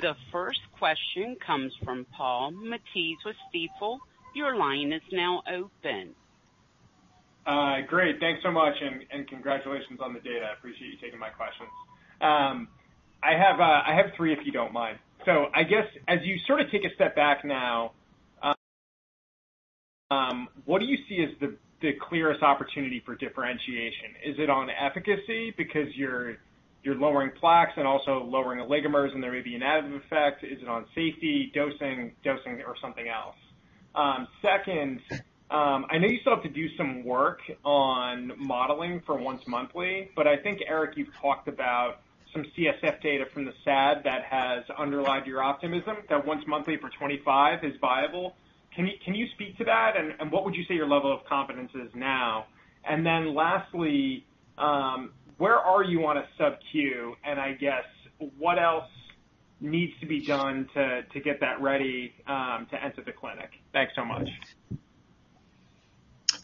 The first question comes from Paul Matteis with Stifel. Your line is now open. Great. Thanks so much, and congratulations on the data. I appreciate you taking my questions. I have three, if you don't mind. I guess as you sort of take a step back now, what do you see as the clearest opportunity for differentiation? Is it on efficacy because you're lowering plaques and also lowering oligomers, and there may be an additive effect. Is it on safety, dosing, or something else? Second, I know you still have to do some work on modeling for once monthly, but I think, Eric, you've talked about some CSF data from the SAD that has underlined your optimism, that once monthly for 25 is viable. Can you speak to that, and what would you say your level of confidence is now? Then lastly, where are you on a sub-Q, and I guess, what else needs to be done to get that ready, to enter the clinic? Thanks so much.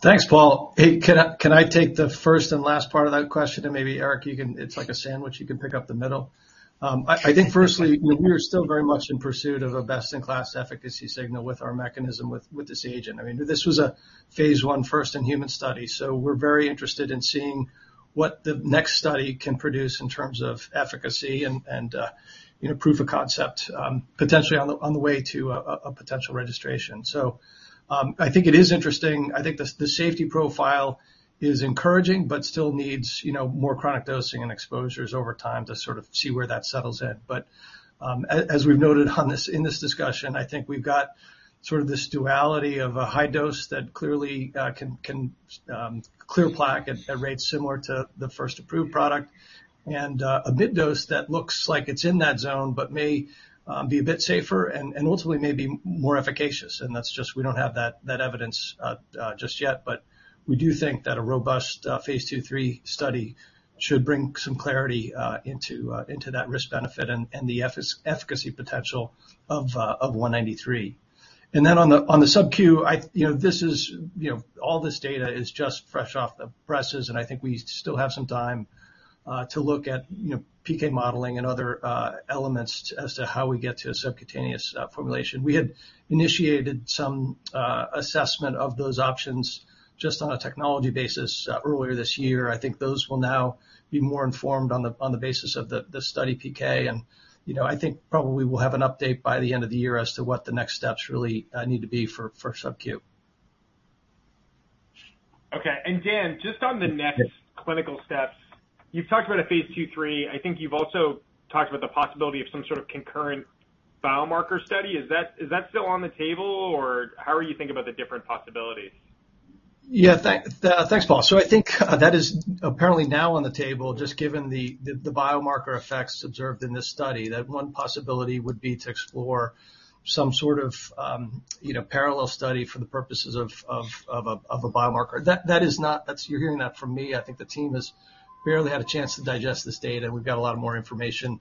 Thanks, Paul. Can I take the first and last part of that question, maybe, Eric, you can. It's like a sandwich, you can pick up the middle. I think firstly, we are still very much in pursuit of a best-in-class efficacy signal with our mechanism with this agent. This was a phase I first-in-human study, so we're very interested in seeing what the next study can produce in terms of efficacy and, proof of concept, potentially on the way to a potential registration. I think it is interesting. I think the safety profile is encouraging but still needs, more chronic dosing and exposures over time to sort of see where that settles in. As we've noted on this, in this discussion, I think we've got sort of this duality of a high dose that clearly can clear plaque at rates similar to the first approved product, a mid dose that looks like it's in that zone, but may be a bit safer and ultimately may be more efficacious. That's just we don't have that evidence just yet. We do think that a robust phase II, III study should bring some clarity into that risk benefit and the efficacy potential of ACU193. On the sub-Q, I... This is, all this data is just fresh off the presses. I think we still have some time to look at, PK modeling and other elements as to how we get to a subcutaneous formulation. We had initiated some assessment of those options just on a technology basis earlier this year. I think those will now be more informed on the basis of the study PK. I think probably we'll have an update by the end of the year as to what the next steps really need to be for sub-Q. Okay. Dan, just on the next clinical steps, you've talked about a phase II, III. I think you've also talked about the possibility of some sort of concurrent biomarker study. Is that still on the table, or how are you thinking about the different possibilities? Thanks, Paul. I think that is apparently now on the table, just given the biomarker effects observed in this study, that one possibility would be to explore some sort of parallel study for the purposes of a biomarker. That is not... That's you're hearing that from me. I think the team has barely had a chance to digest this data, and we've got a lot more information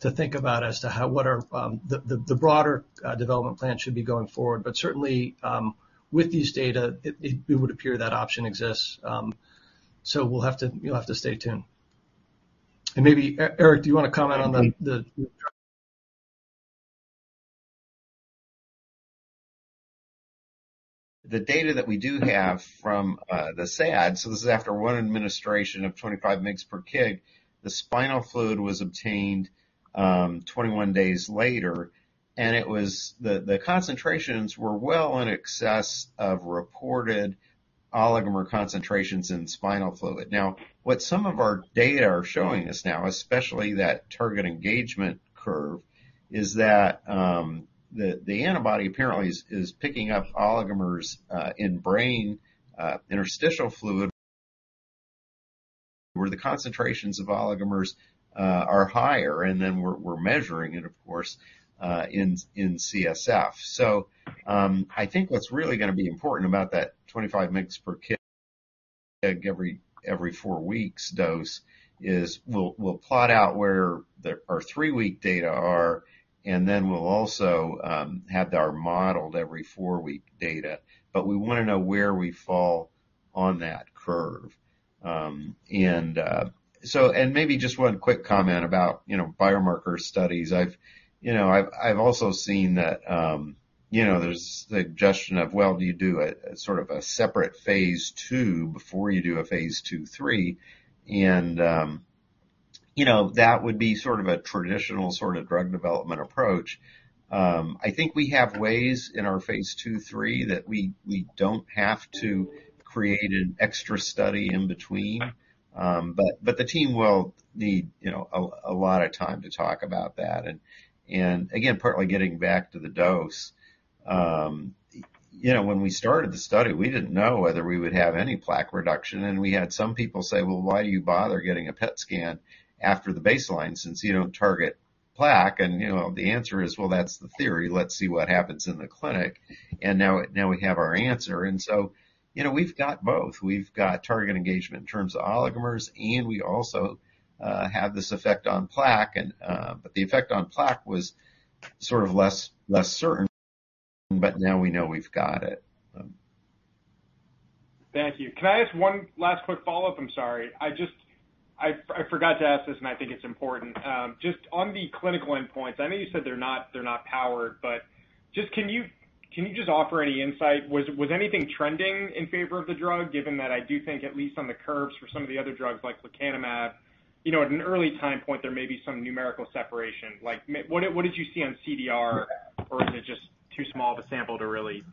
to think about as to what are the broader development plan should be going forward. Certainly, with these data, it would appear that option exists. You'll have to stay tuned. Maybe, Eric, do you want to comment on the? The data that we do have from the SAD, so this is after 1 administration of 25 mgs per kg. The spinal fluid was obtained 21 days later, and the concentrations were well in excess of reported oligomer concentrations in spinal fluid. What some of our data are showing us now, especially that target engagement curve, is that the antibody apparently is picking up oligomers in brain interstitial fluid, where the concentrations of oligomers are higher, and then we're measuring it, of course, in CSF. I think what's really gonna be important about that 25 mg/kg every 4 weeks dose is we'll plot out where our 3-week data are, and then we'll also have our modeled every 4-week data, but we wanna know where we fall on that curve. Maybe just 1 quick comment about biomarker studies. I've, I've also seen that, there's the suggestion of, well, do you do a sort of a separate phase II before you do a phase II, III? That would be sort of a traditional sort of drug development approach. I think we have ways in our phase II, III that we don't have to create an extra study in between, but the team will need, a lot of time to talk about that. Again, partly getting back to the dose. When we started the study, we didn't know whether we would have any plaque reduction, and we had some people say, "Well, why do you bother getting a PET scan after the baseline since you don't target plaque?" The answer is, well, that's the theory. Let's see what happens in the clinic. Now we have our answer. We've got both. We've got target engagement in terms of oligomers, and we also have this effect on plaque. The effect on plaque was sort of less certain, but now we know we've got it. Thank you. Can I ask one last quick follow-up? I'm sorry. I forgot to ask this, and I think it's important. Just on the clinical endpoints, I know you said they're not powered, but just can you just offer any insight? Was anything trending in favor of the drug, given that I do think, at least on the curves for some of the other drugs like lecanemab, at an early time point, there may be some numerical separation? Like, what did you see on CDR, or is it just too small of a sample to really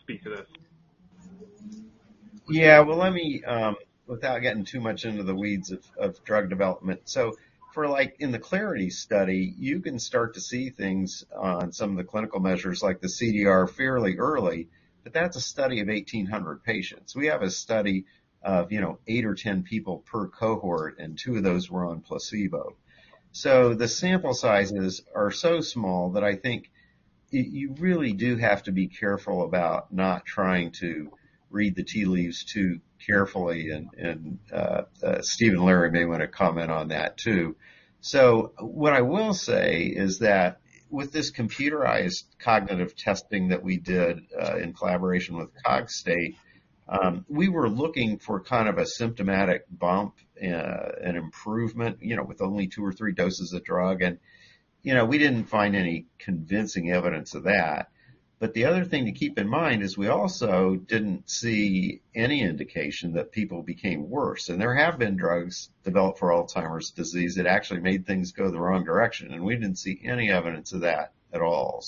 speak to this? Well, let me without getting too much into the weeds of drug development. For, like, in the Clarity study, you can start to see things on some of the clinical measures, like the CDR, fairly early, but that's a study of 1,800 patients. We have a study of 8 or 10 people per cohort, and two of those were on placebo. The sample sizes are so small that I think you really do have to be careful about not trying to read the tea leaves too carefully, and Steve and Larry may want to comment on that, too. What I will say is that with this computerized cognitive testing that we did, in collaboration with Cogstate, we were looking for kind of a symptomatic bump, an improvement with only 2 or 3 doses of drug. We didn't find any convincing evidence of that. The other thing to keep in mind is we also didn't see any indication that people became worse, and there have been drugs developed for Alzheimer's disease that actually made things go the wrong direction, and we didn't see any evidence of that at all.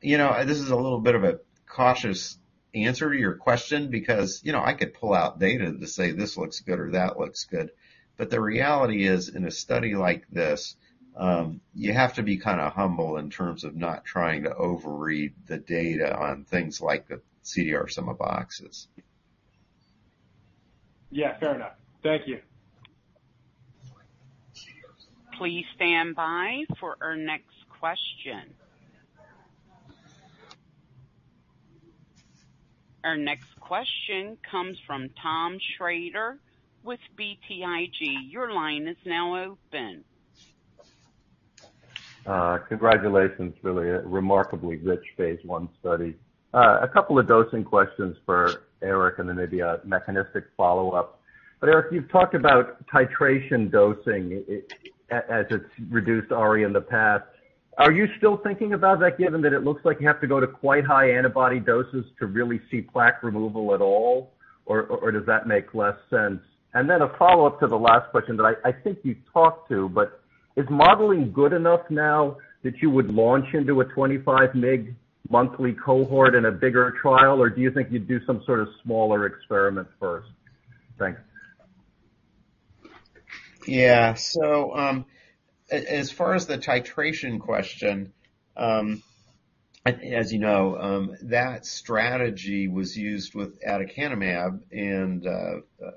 This is a little bit of a cautious answer to your question because I could pull out data to say, "This looks good," or, "That looks good." The reality is, in a study like this, you have to be kinda humble in terms of not trying to overread the data on things like the CDR sum of boxes. Fair enough. Thank you. Please stand by for our next question. Our next question comes from Tom Shrader with BTIG. Your line is now open. Congratulations. Really a remarkably rich phase I study. A couple of dosing questions for Eric, and then maybe a mechanistic follow-up. Eric, you've talked about titration dosing, it's reduced already in the past. Are you still thinking about that, given that it looks like you have to go to quite high antibody doses to really see plaque removal at all, or does that make less sense? A follow-up to the last question that I think you talked to, is modeling good enough now that you would launch into a 25 mg monthly cohort in a bigger trial, or do you think you'd do some sort of smaller experiment first? Thanks. As far as the titration question, as you know, that strategy was used with aducanumab,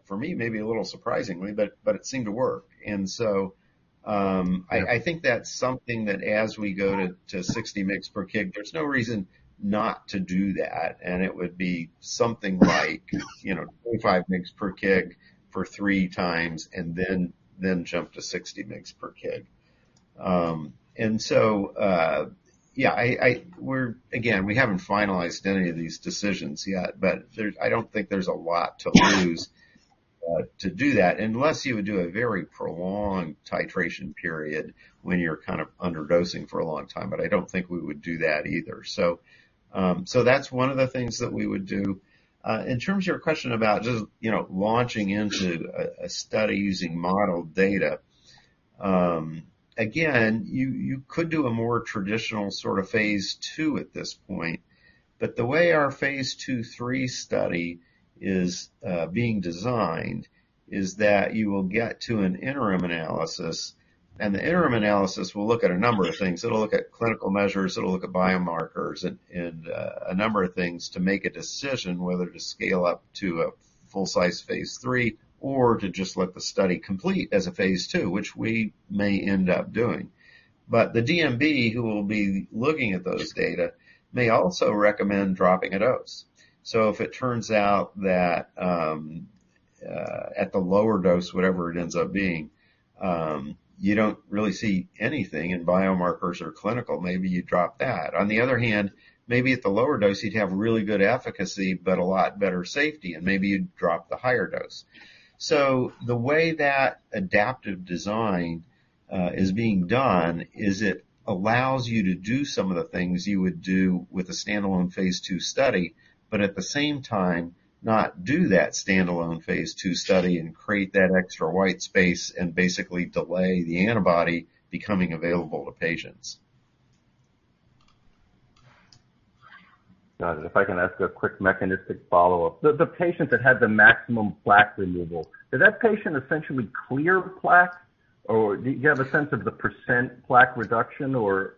for me, maybe a little surprisingly, but it seemed to work. Again, we haven't finalized any of these decisions yet, but there's, I don't think there's a lot to lose to do that, and it would be something like, 25 mgs per kg for 3 times and then jump to 60 mgs per kg. Yeah, again, we haven't finalized any of these decisions yet, but there's, I don't think there's a lot to lose to do that, unless you would do a very prolonged titration period when you're kind of underdosing for a long time. I don't think we would do that either. That's one of the things that we would do. In terms of your question about just, launching into a study using model data, again, you could do a more traditional sort of phase II at this point, but the way our phase II, III study is being designed is that you will get to an interim analysis, and the interim analysis will look at a number of things. It'll look at clinical measures, it'll look at biomarkers, and a number of things to make a decision whether to scale up to a full-size phase III or to just let the study complete as a phase II, which we may end up doing. The DSMB, who will be looking at those data, may also recommend dropping a dose. If it turns out that, at the lower dose, whatever it ends up being, you don't really see anything in biomarkers or clinical, maybe you drop that. On the other hand, maybe at the lower dose, you'd have really good efficacy, but a lot better safety, and maybe you'd drop the higher dose. The way that adaptive design is being done is it allows you to do some of the things you would do with a standalone phase II study, but at the same time, not do that standalone phase II study and create that extra white space and basically delay the antibody becoming available to patients. Got it. If I can ask a quick mechanistic follow-up. The patients that had the maximum plaque removal, did that patient essentially clear the plaque? Oh, do you have a sense of the % plaque reduction, or,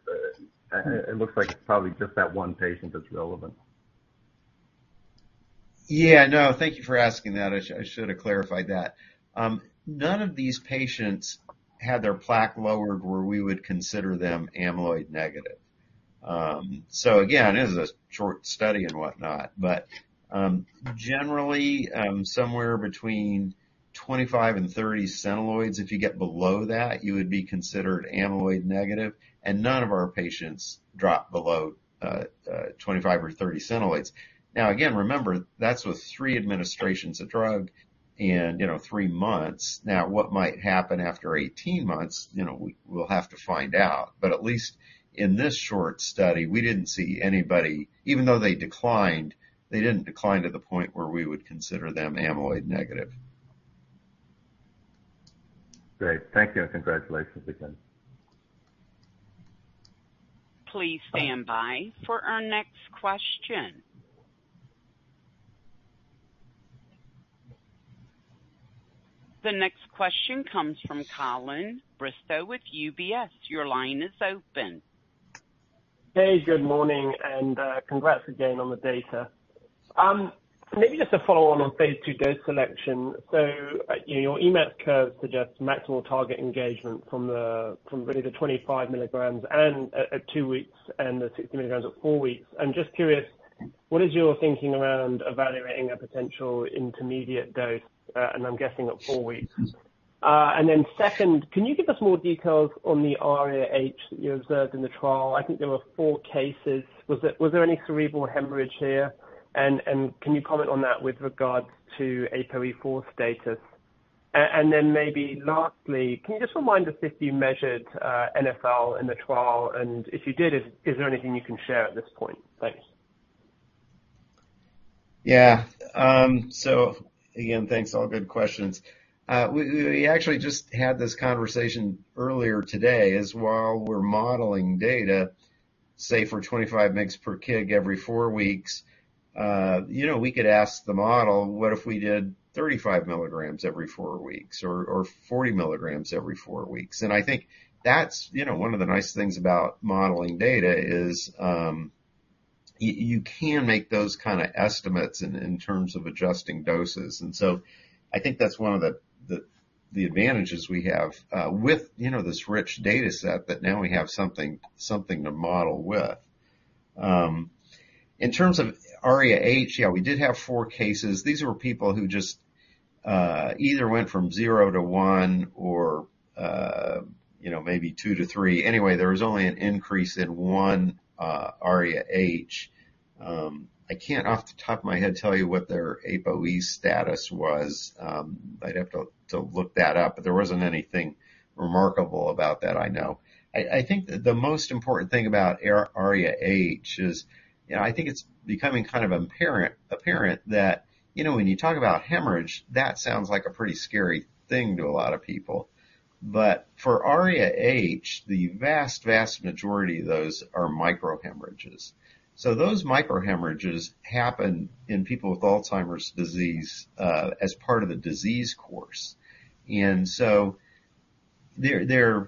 it looks like it's probably just that one patient that's relevant? Thank you for asking that. I should have clarified that. None of these patients had their plaque lowered where we would consider them amyloid negative. Again, this is a short study and whatnot, but generally, somewhere between 25 and 30 Centiloids, if you get below that, you would be considered amyloid negative, and none of our patients dropped below 25 or 30 Centiloids. Again, remember, that's with 3 administrations of drug in 3 months. What might happen after 18 months, we'll have to find out. At least in this short study, we didn't see anybody, even though they declined, they didn't decline to the point where we would consider them amyloid negative. Great. Thank you, and congratulations again. Please stand by for our next question. The next question comes from Colin Bristow with UBS. Your line is open. Good morning, congrats again on the data. Maybe just a follow-on on phase II dose selection. Your Emax curve suggests maximal target engagement from the, from really the 25 mg and at 2 weeks and the 60 mg at 4 weeks. I'm just curious, what is your thinking around evaluating a potential intermediate dose, and I'm guessing at 4 weeks? Second, can you give us more details on the ARIA-H that you observed in the trial? I think there were 4 cases. Was there any cerebral hemorrhage here? Can you comment on that with regards to APOE4 status? Maybe lastly, can you just remind us if you measured NFL in the trial, and if you did, is there anything you can share at this point? Thanks. Again, thanks. All good questions. We actually just had this conversation earlier today, is while we're modeling data, say, for 25 mgs per kg every 4 weeks, we could ask the model, what if we did 35 milligrams every 4 weeks or 40 milligrams every 4 weeks? I think that's one of the nice things about modeling data is you can make those kind of estimates in terms of adjusting doses. I think that's one of the advantages we have with this rich data set, that now we have something to model with. In terms of ARIA-H, yeah, we did have 4 cases. These were people who just either went from 0 to 1 or maybe 2 to 3. There was only an increase in 1 ARIA-H. I can't, off the top of my head, tell you what their APOE status was. I'd have to look that up. There wasn't anything remarkable about that, I know. I think the most important thing about ARIA-H is, I think it's becoming kind of apparent that, when you talk about hemorrhage, that sounds like a pretty scary thing to a lot of people. For ARIA-H, the vast majority of those are microhemorrhages. Those microhemorrhages happen in people with Alzheimer's disease as part of the disease course. They're a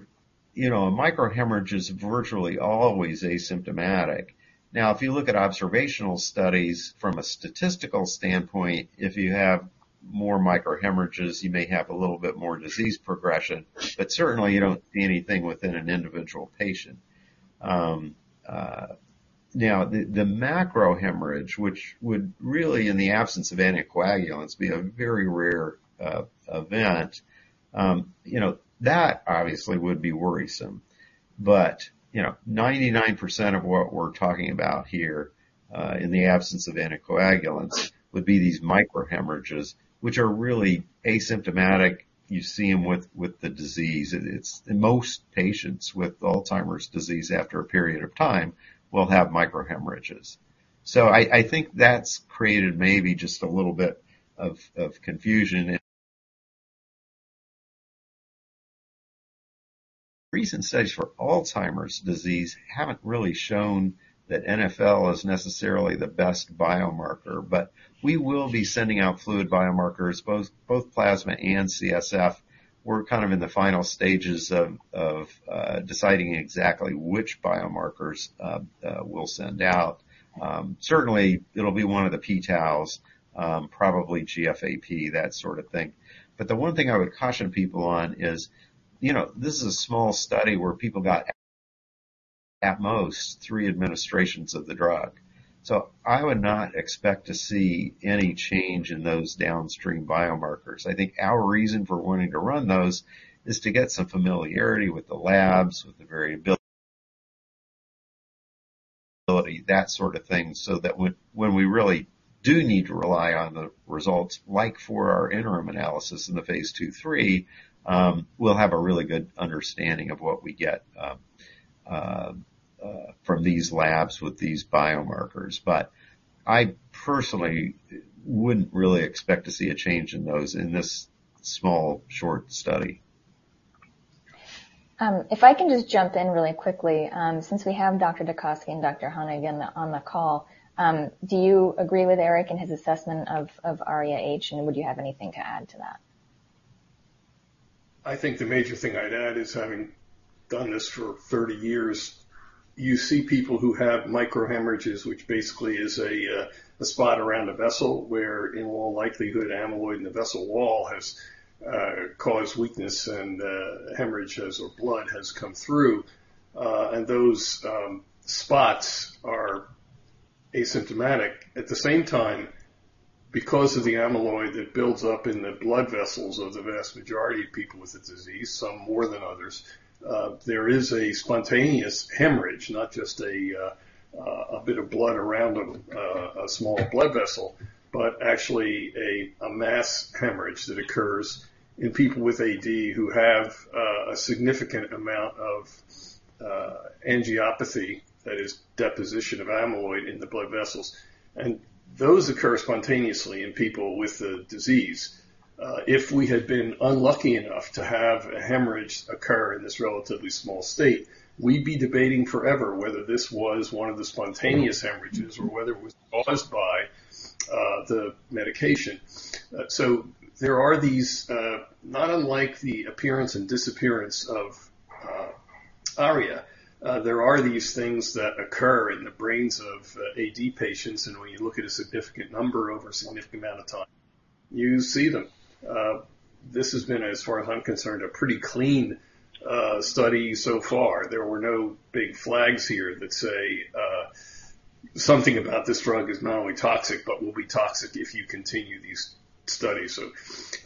microhemorrhage is virtually always asymptomatic. If you look at observational studies from a statistical standpoint, if you have more microhemorrhages, you may have a little bit more disease progression, but certainly you don't see anything within an individual patient. The macro hemorrhage, which would really, in the absence of anticoagulants, be a very rare event, that obviously would be worrisome. 99% of what we're talking about here, in the absence of anticoagulants, would be these microhemorrhages, which are really asymptomatic. You see them with the disease. In most patients with Alzheimer's disease, after a period of time, will have microhemorrhages. I think that's created maybe just a little bit of confusion. Recent studies for Alzheimer's disease haven't really shown that NFL is necessarily the best biomarker. We will be sending out fluid biomarkers, both plasma and CSF. We're kind of in the final stages of deciding exactly which biomarkers we'll send out. Certainly, it'll be one of the p-taus, probably GFAP, that sort of thing. The one thing I would caution people on is, this is a small study where people got, at most, 3 administrations of the drug. I would not expect to see any change in those downstream biomarkers. I think our reason for wanting to run those is to get some familiarity with the labs, with the variability, that sort of thing, so that when we really do need to rely on the results, like for our interim analysis in the phase II, III, we'll have a really good understanding of what we get from these labs with these biomarkers. I personally wouldn't really expect to see a change in those in this small, short study. If I can just jump in really quickly, since we have Dr. DeKosky and Dr. Honig on the call, do you agree with Eric and his assessment of ARIA-H, and would you have anything to add to that? I think the major thing I'd add is, having done this for 30 years, you see people who have microhemorrhages, which basically is a spot around a vessel where, in all likelihood, amyloid in the vessel wall has caused weakness and hemorrhages or blood has come through. Those spots are asymptomatic. At the same time, because of the amyloid that builds up in the blood vessels of the vast majority of people with the disease, some more than others, there is a spontaneous hemorrhage, not just a bit of blood around a small blood vessel, but actually a mass hemorrhage that occurs in people with AD who have a significant amount of angiopathy, that is deposition of amyloid in the blood vessels. Those occur spontaneously in people with the disease. If we had been unlucky enough to have a hemorrhage occur in this relatively small state, we'd be debating forever whether this was one of the spontaneous hemorrhages or whether it was caused by the medication. There are these, not unlike the appearance and disappearance of ARIA, there are these things that occur in the brains of AD patients, and when you look at a significant number over a significant amount of time, you see them. This has been, as far as I'm concerned, a pretty clean study so far. There were no big flags here that say something about this drug is not only toxic but will be toxic if you continue these studies.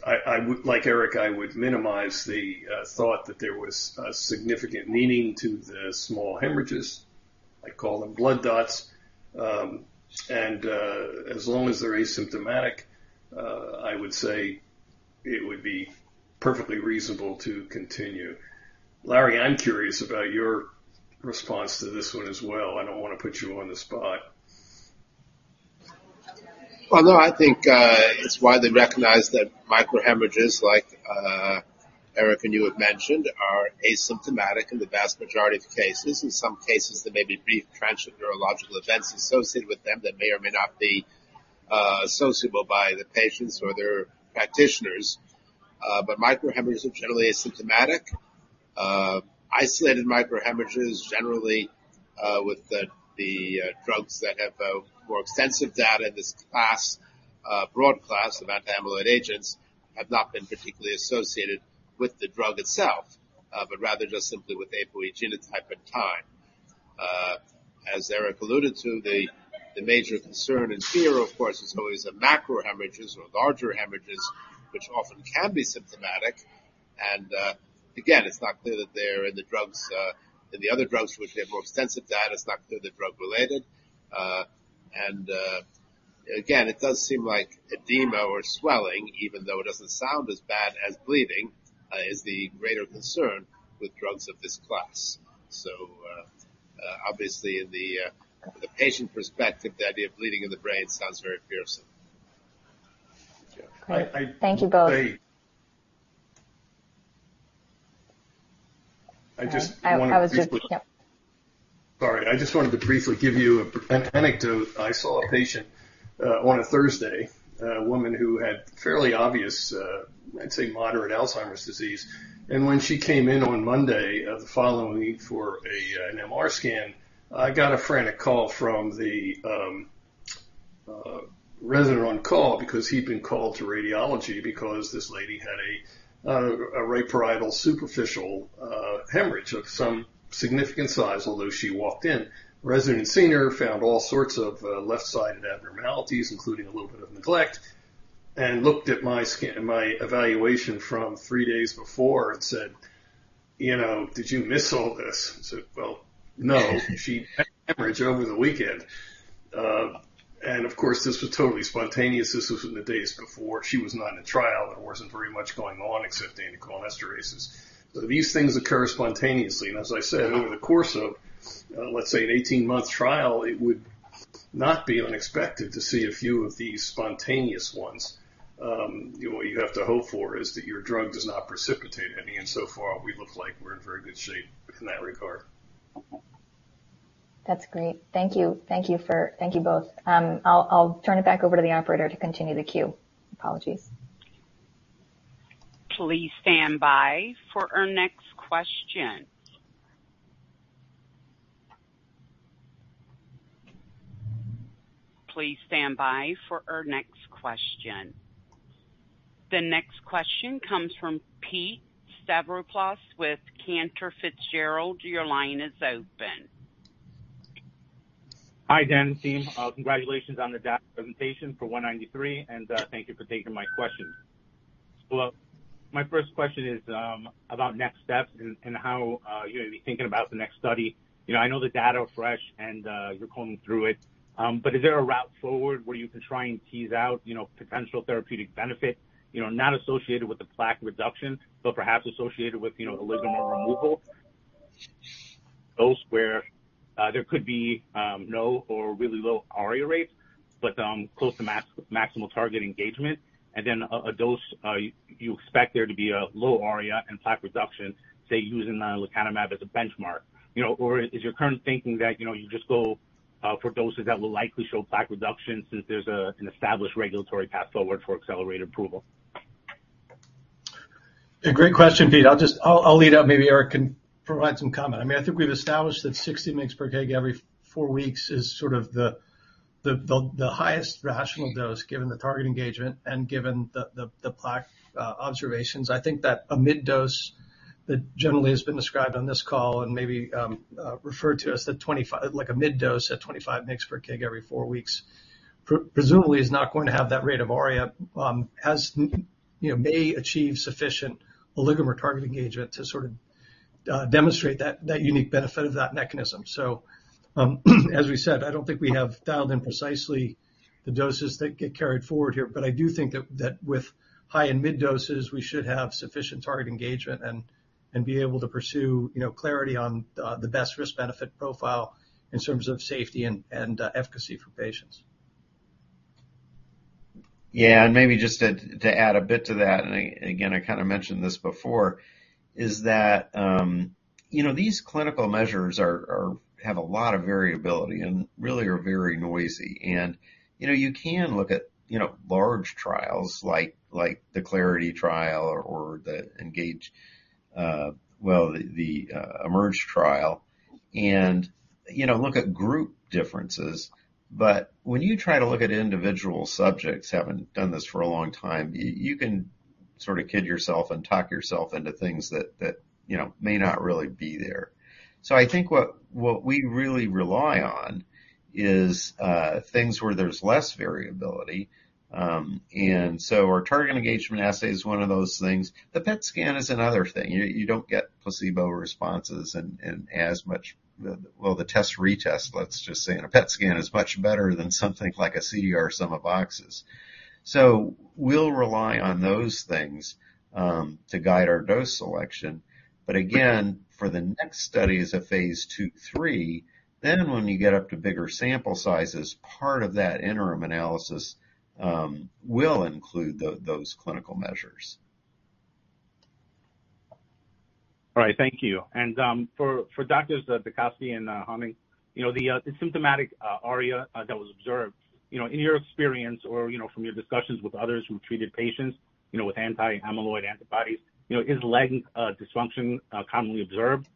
I would, like Eric, minimize the thought that there was a significant meaning to the small hemorrhages. I call them blood dots. As long as they're asymptomatic, I would say it would be perfectly reasonable to continue. Larry, I'm curious about your response to this one as well. I don't want to put you on the spot. No, I think it's widely recognized that microhemorrhages, like Eric and you have mentioned, are asymptomatic in the vast majority of cases. In some cases, there may be brief transient neurological events associated with them that may or may not be associable by the patients or their practitioners. Microhemorrhages are generally asymptomatic. Isolated microhemorrhages, generally, with the drugs that have more extensive data in this class, broad class of anti-amyloid agents, have not been particularly associated with the drug itself, but rather just simply with APOE genotype and time. As Eric alluded to, the major concern and fear, of course, is always the macrohemorrhages or larger hemorrhages, which often can be symptomatic. Again, it's not clear that they're in the drugs, in the other drugs, which they have more extensive data. It's not clear they're drug-related. Again, it does seem like edema or swelling, even though it doesn't sound as bad as bleeding, is the greater concern with drugs of this class. Obviously, in the patient perspective, the idea of bleeding in the brain sounds very fearsome. Great. Thank you both. I, just... I was just, yep. Sorry. I just wanted to briefly give you an anecdote. I saw a patient on a Thursday, a woman who had fairly obvious, I'd say, moderate Alzheimer's disease. When she came in on Monday of the following week for an MR scan, I got a frantic call from the resident on call because he'd been called to radiology because this lady had a right parietal superficial hemorrhage of some significant size, although she walked in. Resident and senior found all sorts of left-sided abnormalities, including a little bit of neglect, and looked at my scan, my evaluation from three days before and said, "You know, did you miss all this?" I said, "Well, no. She had a hemorrhage over the weekend." Of course, this was totally spontaneous. This was in the days before. She was not in a trial. There wasn't very much going on except the anticholinesterases. These things occur spontaneously. As I said, over the course of, let's say, an 18-month trial, it would not be unexpected to see a few of these spontaneous ones. What you have to hope for is that your drug does not precipitate any, and so far, we look like we're in very good shape in that regard. That's great. Thank you. Thank you both. I'll turn it back over to the operator to continue the queue. Apologies. Please stand by for our next question. The next question comes from Pete Stavropoulos with Cantor Fitzgerald. Your line is open. Hi, Dan and team. Congratulations on the data presentation for ACU193. Thank you for taking my questions. Well, my first question is about next steps and how you're gonna be thinking about the next study. I know the data are fresh, and you're combing through it. Is there a route forward where you can try and tease out, potential therapeutic benefit, not associated with the plaque reduction, but perhaps associated with oligomer removal? Those where there could be no or really low ARIA rates, but close to maximal target engagement, and then a dose you expect there to be a low ARIA and plaque reduction, say, using the lecanemab as a benchmark. Or is your current thinking that, you just go for doses that will likely show plaque reduction since there's an established regulatory path forward for accelerated approval? A great question, Pete. I'll lead up, maybe Eric can provide some comment. I think we've established that 60 mgs per kg every 4 weeks is sort of the highest rational dose, given the target engagement and given the plaque observations. I think that a mid-dose that generally has been described on this call and maybe, Like, a mid-dose at 25 mgs per kg every 4 weeks, presumably is not going to have that rate of ARIA, as may achieve sufficient oligomer target engagement to sort of, demonstrate that unique benefit of that mechanism. As we said, I don't think we have dialed in precisely the doses that get carried forward here, but I do think that with high and mid doses, we should have sufficient target engagement and be able to pursue, clarity on the best risk-benefit profile in terms of safety and efficacy for patients. Maybe just to add a bit to that, and again, I kind of mentioned this before, is that, these clinical measures have a lot of variability and really are very noisy. You can look at, large trials like the Clarity trial or the ENGAGE, well, the EMERGE trial, and look at group differences. When you try to look at individual subjects, having done this for a long time, you can sort of kid yourself and talk yourself into things that, may not really be there. I think what we really rely on is things where there's less variability. Our target engagement assay is one of those things. The PET scan is another thing. You don't get placebo responses and as much, well, the test retest, let's just say, in a PET scan, is much better than something like a CDR sum of boxes. We'll rely on those things to guide our dose selection. Again, for the next studies of phase II, III, when you get up to bigger sample sizes, part of that interim analysis will include those clinical measures. All right, thank you. For Doctors DeKosky and Honig, the symptomatic ARIA that was observed, in your experience or from your discussions with others who treated patients, with anti-amyloid antibodies, is leg dysfunction commonly observed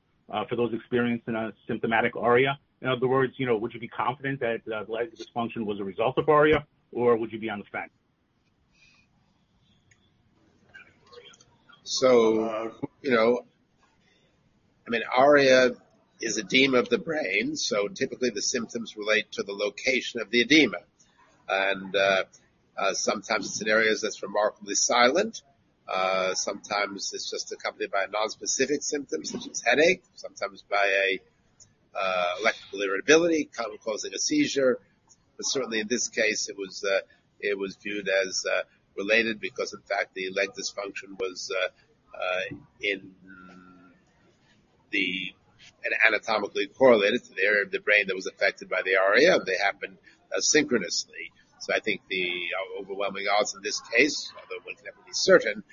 for those experienced in a symptomatic ARIA? In other words, would you be confident that leg dysfunction was a result of ARIA, or would you be on the fence? ARIA is edema of the brain, so typically the symptoms relate to the location of the edema. Sometimes the scenario is just remarkably silent. Sometimes it's just accompanied by nonspecific symptoms, such as headache, sometimes by a electrical irritability, kind of causing a seizure. Certainly, in this case, it was viewed as related because, in fact, the leg dysfunction was anatomically correlated to the area of the brain that was affected by the ARIA. They happened, synchronously. I think the overwhelming odds in this case, although one can never be certain,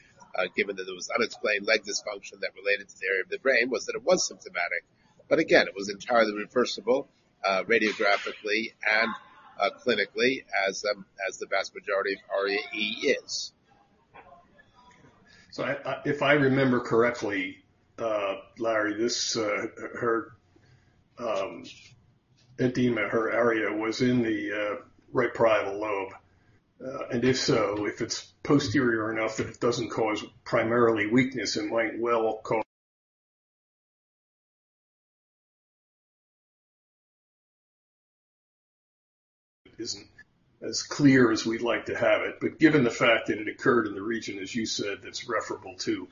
given that there was unexplained leg dysfunction that related to the area of the brain, was that it was symptomatic. Again, it was entirely reversible, radiographically and, clinically as the vast majority of ARIA is. I, if I remember correctly, Larry, this, her, edema, her ARIA was in the right parietal lobe. If so, if it's posterior enough that it doesn't cause primarily weakness, it might well cause. Isn't as clear as we'd like to have it. Given the fact that it occurred in the region, as you said, that's referable to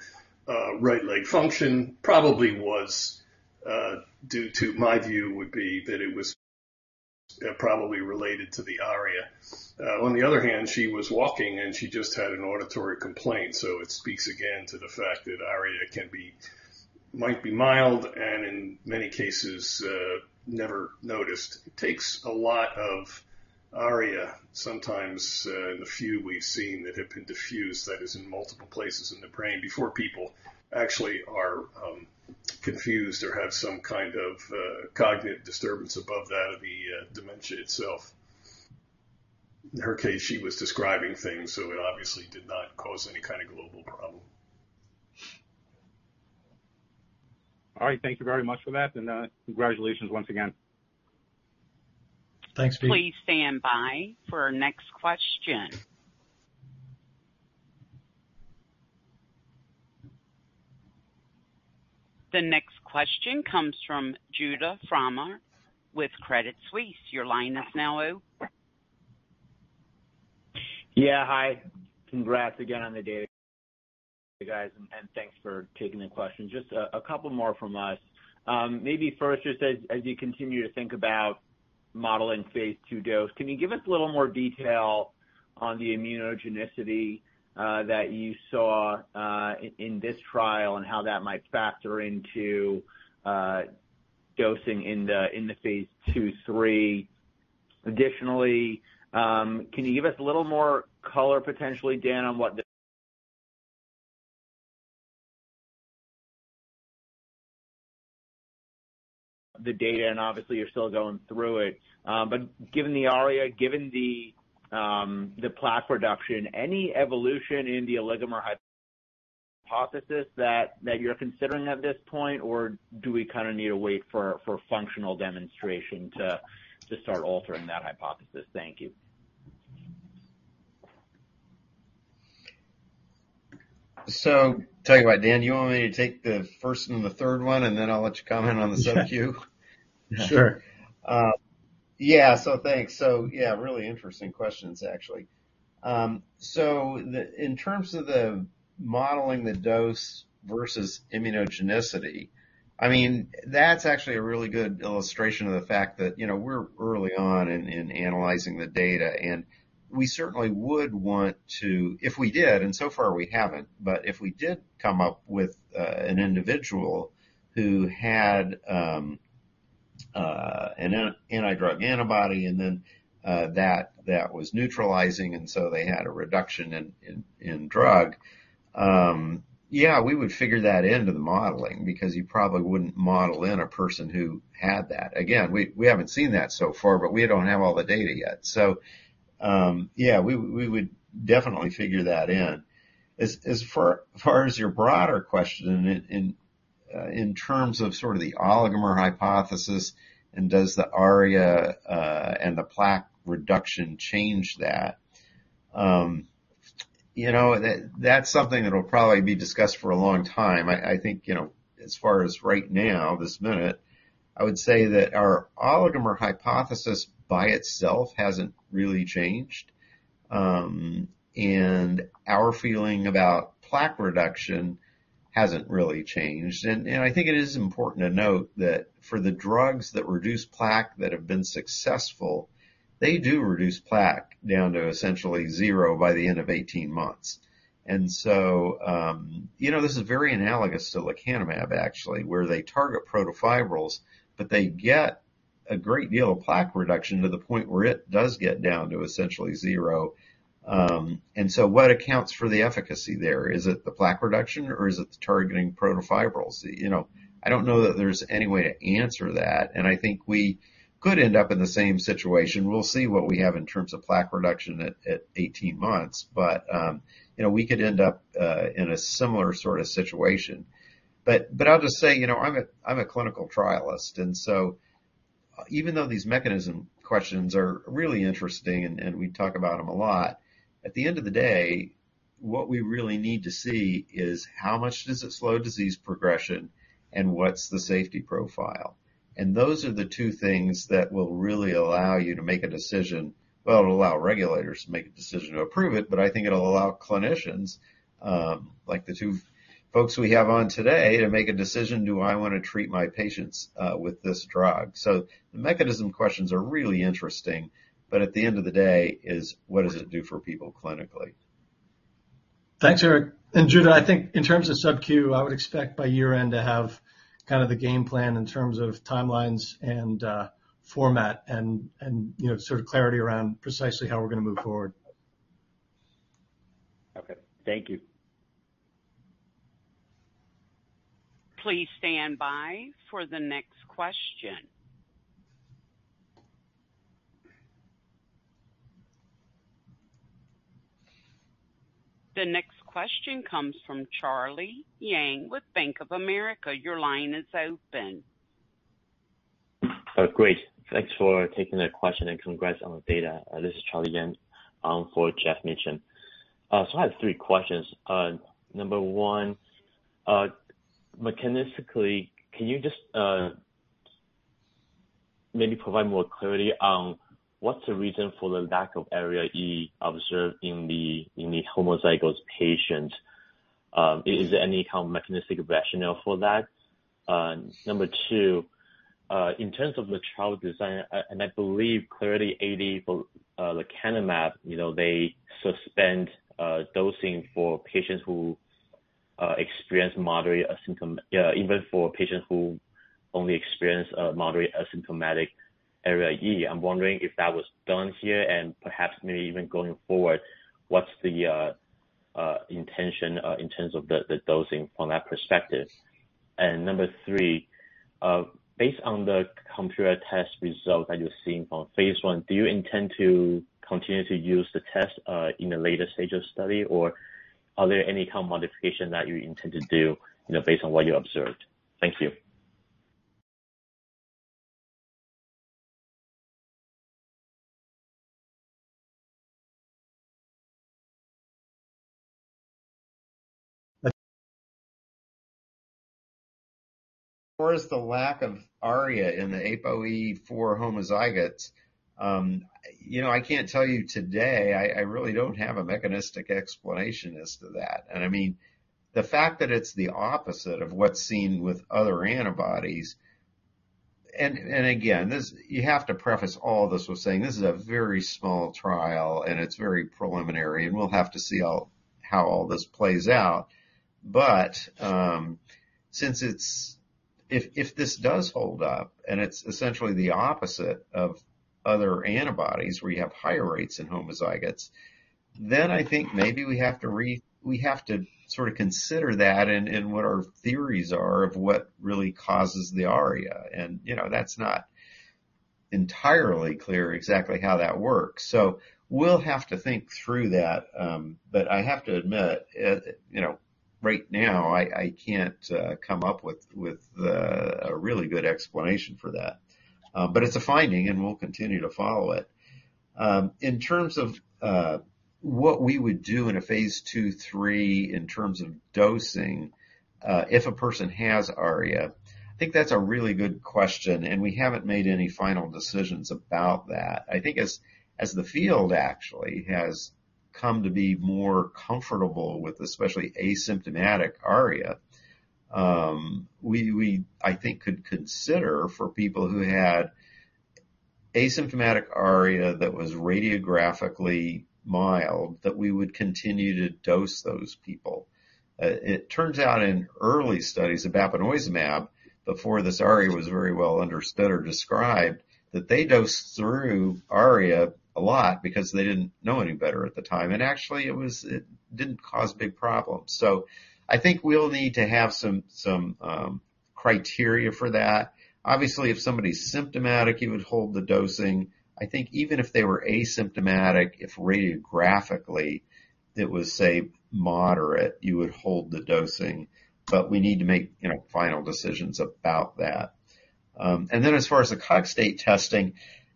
right leg function, probably was due to... My view would be that it was probably related to the ARIA. On the other hand, she was walking, and she just had an auditory complaint, so it speaks again to the fact that ARIA might be mild and in many cases, never noticed. It takes a lot of ARIA, sometimes, the few we've seen that have been diffused, that is in multiple places in the brain, before people actually are confused or have some kind of cognitive disturbance above that of the dementia itself. In her case, she was describing things, so it obviously did not cause any kind of global problem. All right. Thank you very much for that, congratulations once again. Thanks, Pete. Please stand by for our next question. The next question comes from Judah Frommer with Credit Suisse. Your line is now open. Hi. Congrats again on the day, you guys, and thanks for taking the question. Just a couple more from us. Maybe first, just as you continue to think about modeling phase II dose, can you give us a little more detail on the immunogenicity that you saw in this trial, and how that might factor into dosing in the phase II, III? Additionally, can you give us a little more color, potentially, Dan, on what the data, and obviously you're still going through it. Given the ARIA, given the plaque reduction, any evolution in the oligomer hypothesis that you're considering at this point? Or do we kinda need to wait for functional demonstration to start altering that hypothesis? Thank you. Tell you what, Dan, you want me to take the first and the third one, and then I'll let you comment on the sub-Q? Sure. Thanks. Really interesting questions, actually. The, in terms of the modeling the dose versus immunogenicity, that's actually a really good illustration of the fact that, we're early on in analyzing the data. We certainly would want to... If we did, and so far we haven't, but if we did come up with an anti-drug antibody, and then that was neutralizing, and so they had a reduction in drug, yeah, we would figure that into the modeling because you probably wouldn't model in a person who had that. Again, we haven't seen that so far, but we don't have all the data yet. Yeah, we would definitely figure that in. As far as your broader question in terms of sort of the oligomer hypothesis and does the ARIA and the plaque reduction change that? That's something that'll probably be discussed for a long time. I think as far as right now, this minute, I would say that our oligomer hypothesis by itself hasn't really changed. Our feeling about plaque reduction hasn't really changed. I think it is important to note that for the drugs that reduce plaque that have been successful, they do reduce plaque down to essentially zero by the end of 18 months. This is very analogous to lecanemab, actually, where they target protofibrils, but they get a great deal of plaque reduction to the point where it does get down to essentially zero. What accounts for the efficacy there? Is it the plaque reduction, or is it the targeting protofibrils? I don't know that there's any way to answer that, and I think we could end up in the same situation. We'll see what we have in terms of plaque reduction at 18 months, but, you know, we could end up in a similar sort of situation. I'll just say, you know, I'm a clinical trialist, and so even though these mechanism questions are really interesting, and we talk about them a lot, at the end of the day, what we really need to see is how much does it slow disease progression and what's the safety profile. Those are the two things that will really allow you to make a decision. It'll allow regulators to make a decision to approve it, but I think it'll allow clinicians, like the two folks we have on today, to make a decision: Do I want to treat my patients with this drug? The mechanism questions are really interesting, but at the end of the day, is what does it do for people clinically? Thanks, Eric. Judah, I think in terms of subacute, I would expect by year-end to have kind of the game plan in terms of timelines and, format and, you know, sort of clarity around precisely how we're gonna move forward. Okay, thank you. Please stand by for the next question. The next question comes from Charlie Yang with Bank of America. Your line is open. Great. Thanks for taking the question, congrats on the data. This is Charlie Yang for Geoff Meacham. I have 3 questions. Number 1, mechanistically, can you just maybe provide more clarity on what's the reason for the lack of ARIA-E observed in the homozygous patient? Is there any kind of mechanistic rationale for that? Number 2, in terms of the trial design, I believe Clarity AD for lecanemab, you know, they suspend dosing for patients who experience moderate asymptomatic ARIA-E. I'm wondering if that was done here and perhaps maybe even going forward, what's the intention in terms of the dosing from that perspective? Number 3, based on the computer test results that you're seeing from phase I, do you intend to continue to use the test, in the later stages of study? Are there any kind of modification that you intend to do, you know, based on what you observed? Thank you. As far as the lack of ARIA in the APOE4 homozygotes, you know, I can't tell you today. I really don't have a mechanistic explanation as to that. The fact that it's the opposite of what's seen with other antibodies. Again, this, you have to preface all this with saying this is a very small trial, and it's very preliminary, and we'll have to see how all this plays out. Since if this does hold up, and it's essentially the opposite of other antibodies, where you have higher rates in homozygotes, then I think maybe we have to sort of consider that in what our theories are of what really causes the ARIA. That's not entirely clear exactly how that works. We'll have to think through that, but I have to admit, you know, right now, I can't come up with a really good explanation for that. It's a finding, and we'll continue to follow it. In terms of what we would do in a phase II, III, in terms of dosing, if a person has ARIA, I think that's a really good question, and we haven't made any final decisions about that. I think as the field actually has come to be more comfortable with especially asymptomatic ARIA, we, I think, could consider for people who had asymptomatic ARIA that was radiographically mild, that we would continue to dose those people. It turns out in early studies of bapineuzumab, before this ARIA was very well understood or described, that they dosed through ARIA a lot because they didn't know any better at the time. Actually, it didn't cause big problems. I think we'll need to have some criteria for that. Obviously, if somebody's symptomatic, you would hold the dosing. I think even if they were asymptomatic, if radiographically it was, say, moderate, you would hold the dosing, but we need to make, you know, final decisions about that. As far as the Cogstate testing,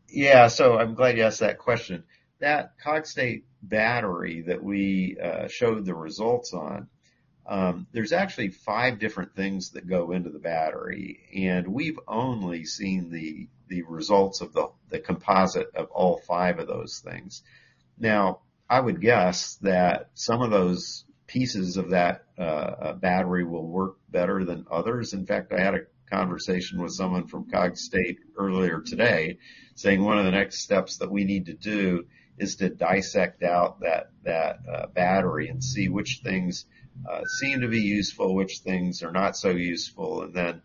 yeah, I'm glad you asked that question. That Cogstate battery that we showed the results on, there's actually five different things that go into the battery, and we've only seen the results of the composite of all five of those things. Now, I would guess that some of those pieces of that battery will work better than others. In fact, I had a conversation with someone from Cogstate earlier today, saying one of the next steps that we need to do is to dissect out that battery and see which things seem to be useful, which things are not so useful, and then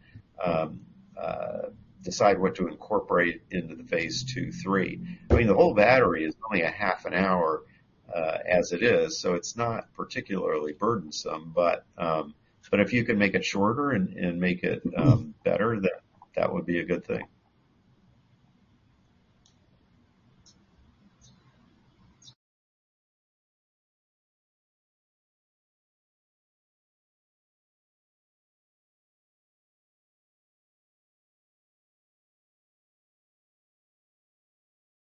decide what to incorporate into the phase II, III. The whole battery is only a half an hour as it is, so it's not particularly burdensome. If you can make it shorter and make it better, then that would be a good thing.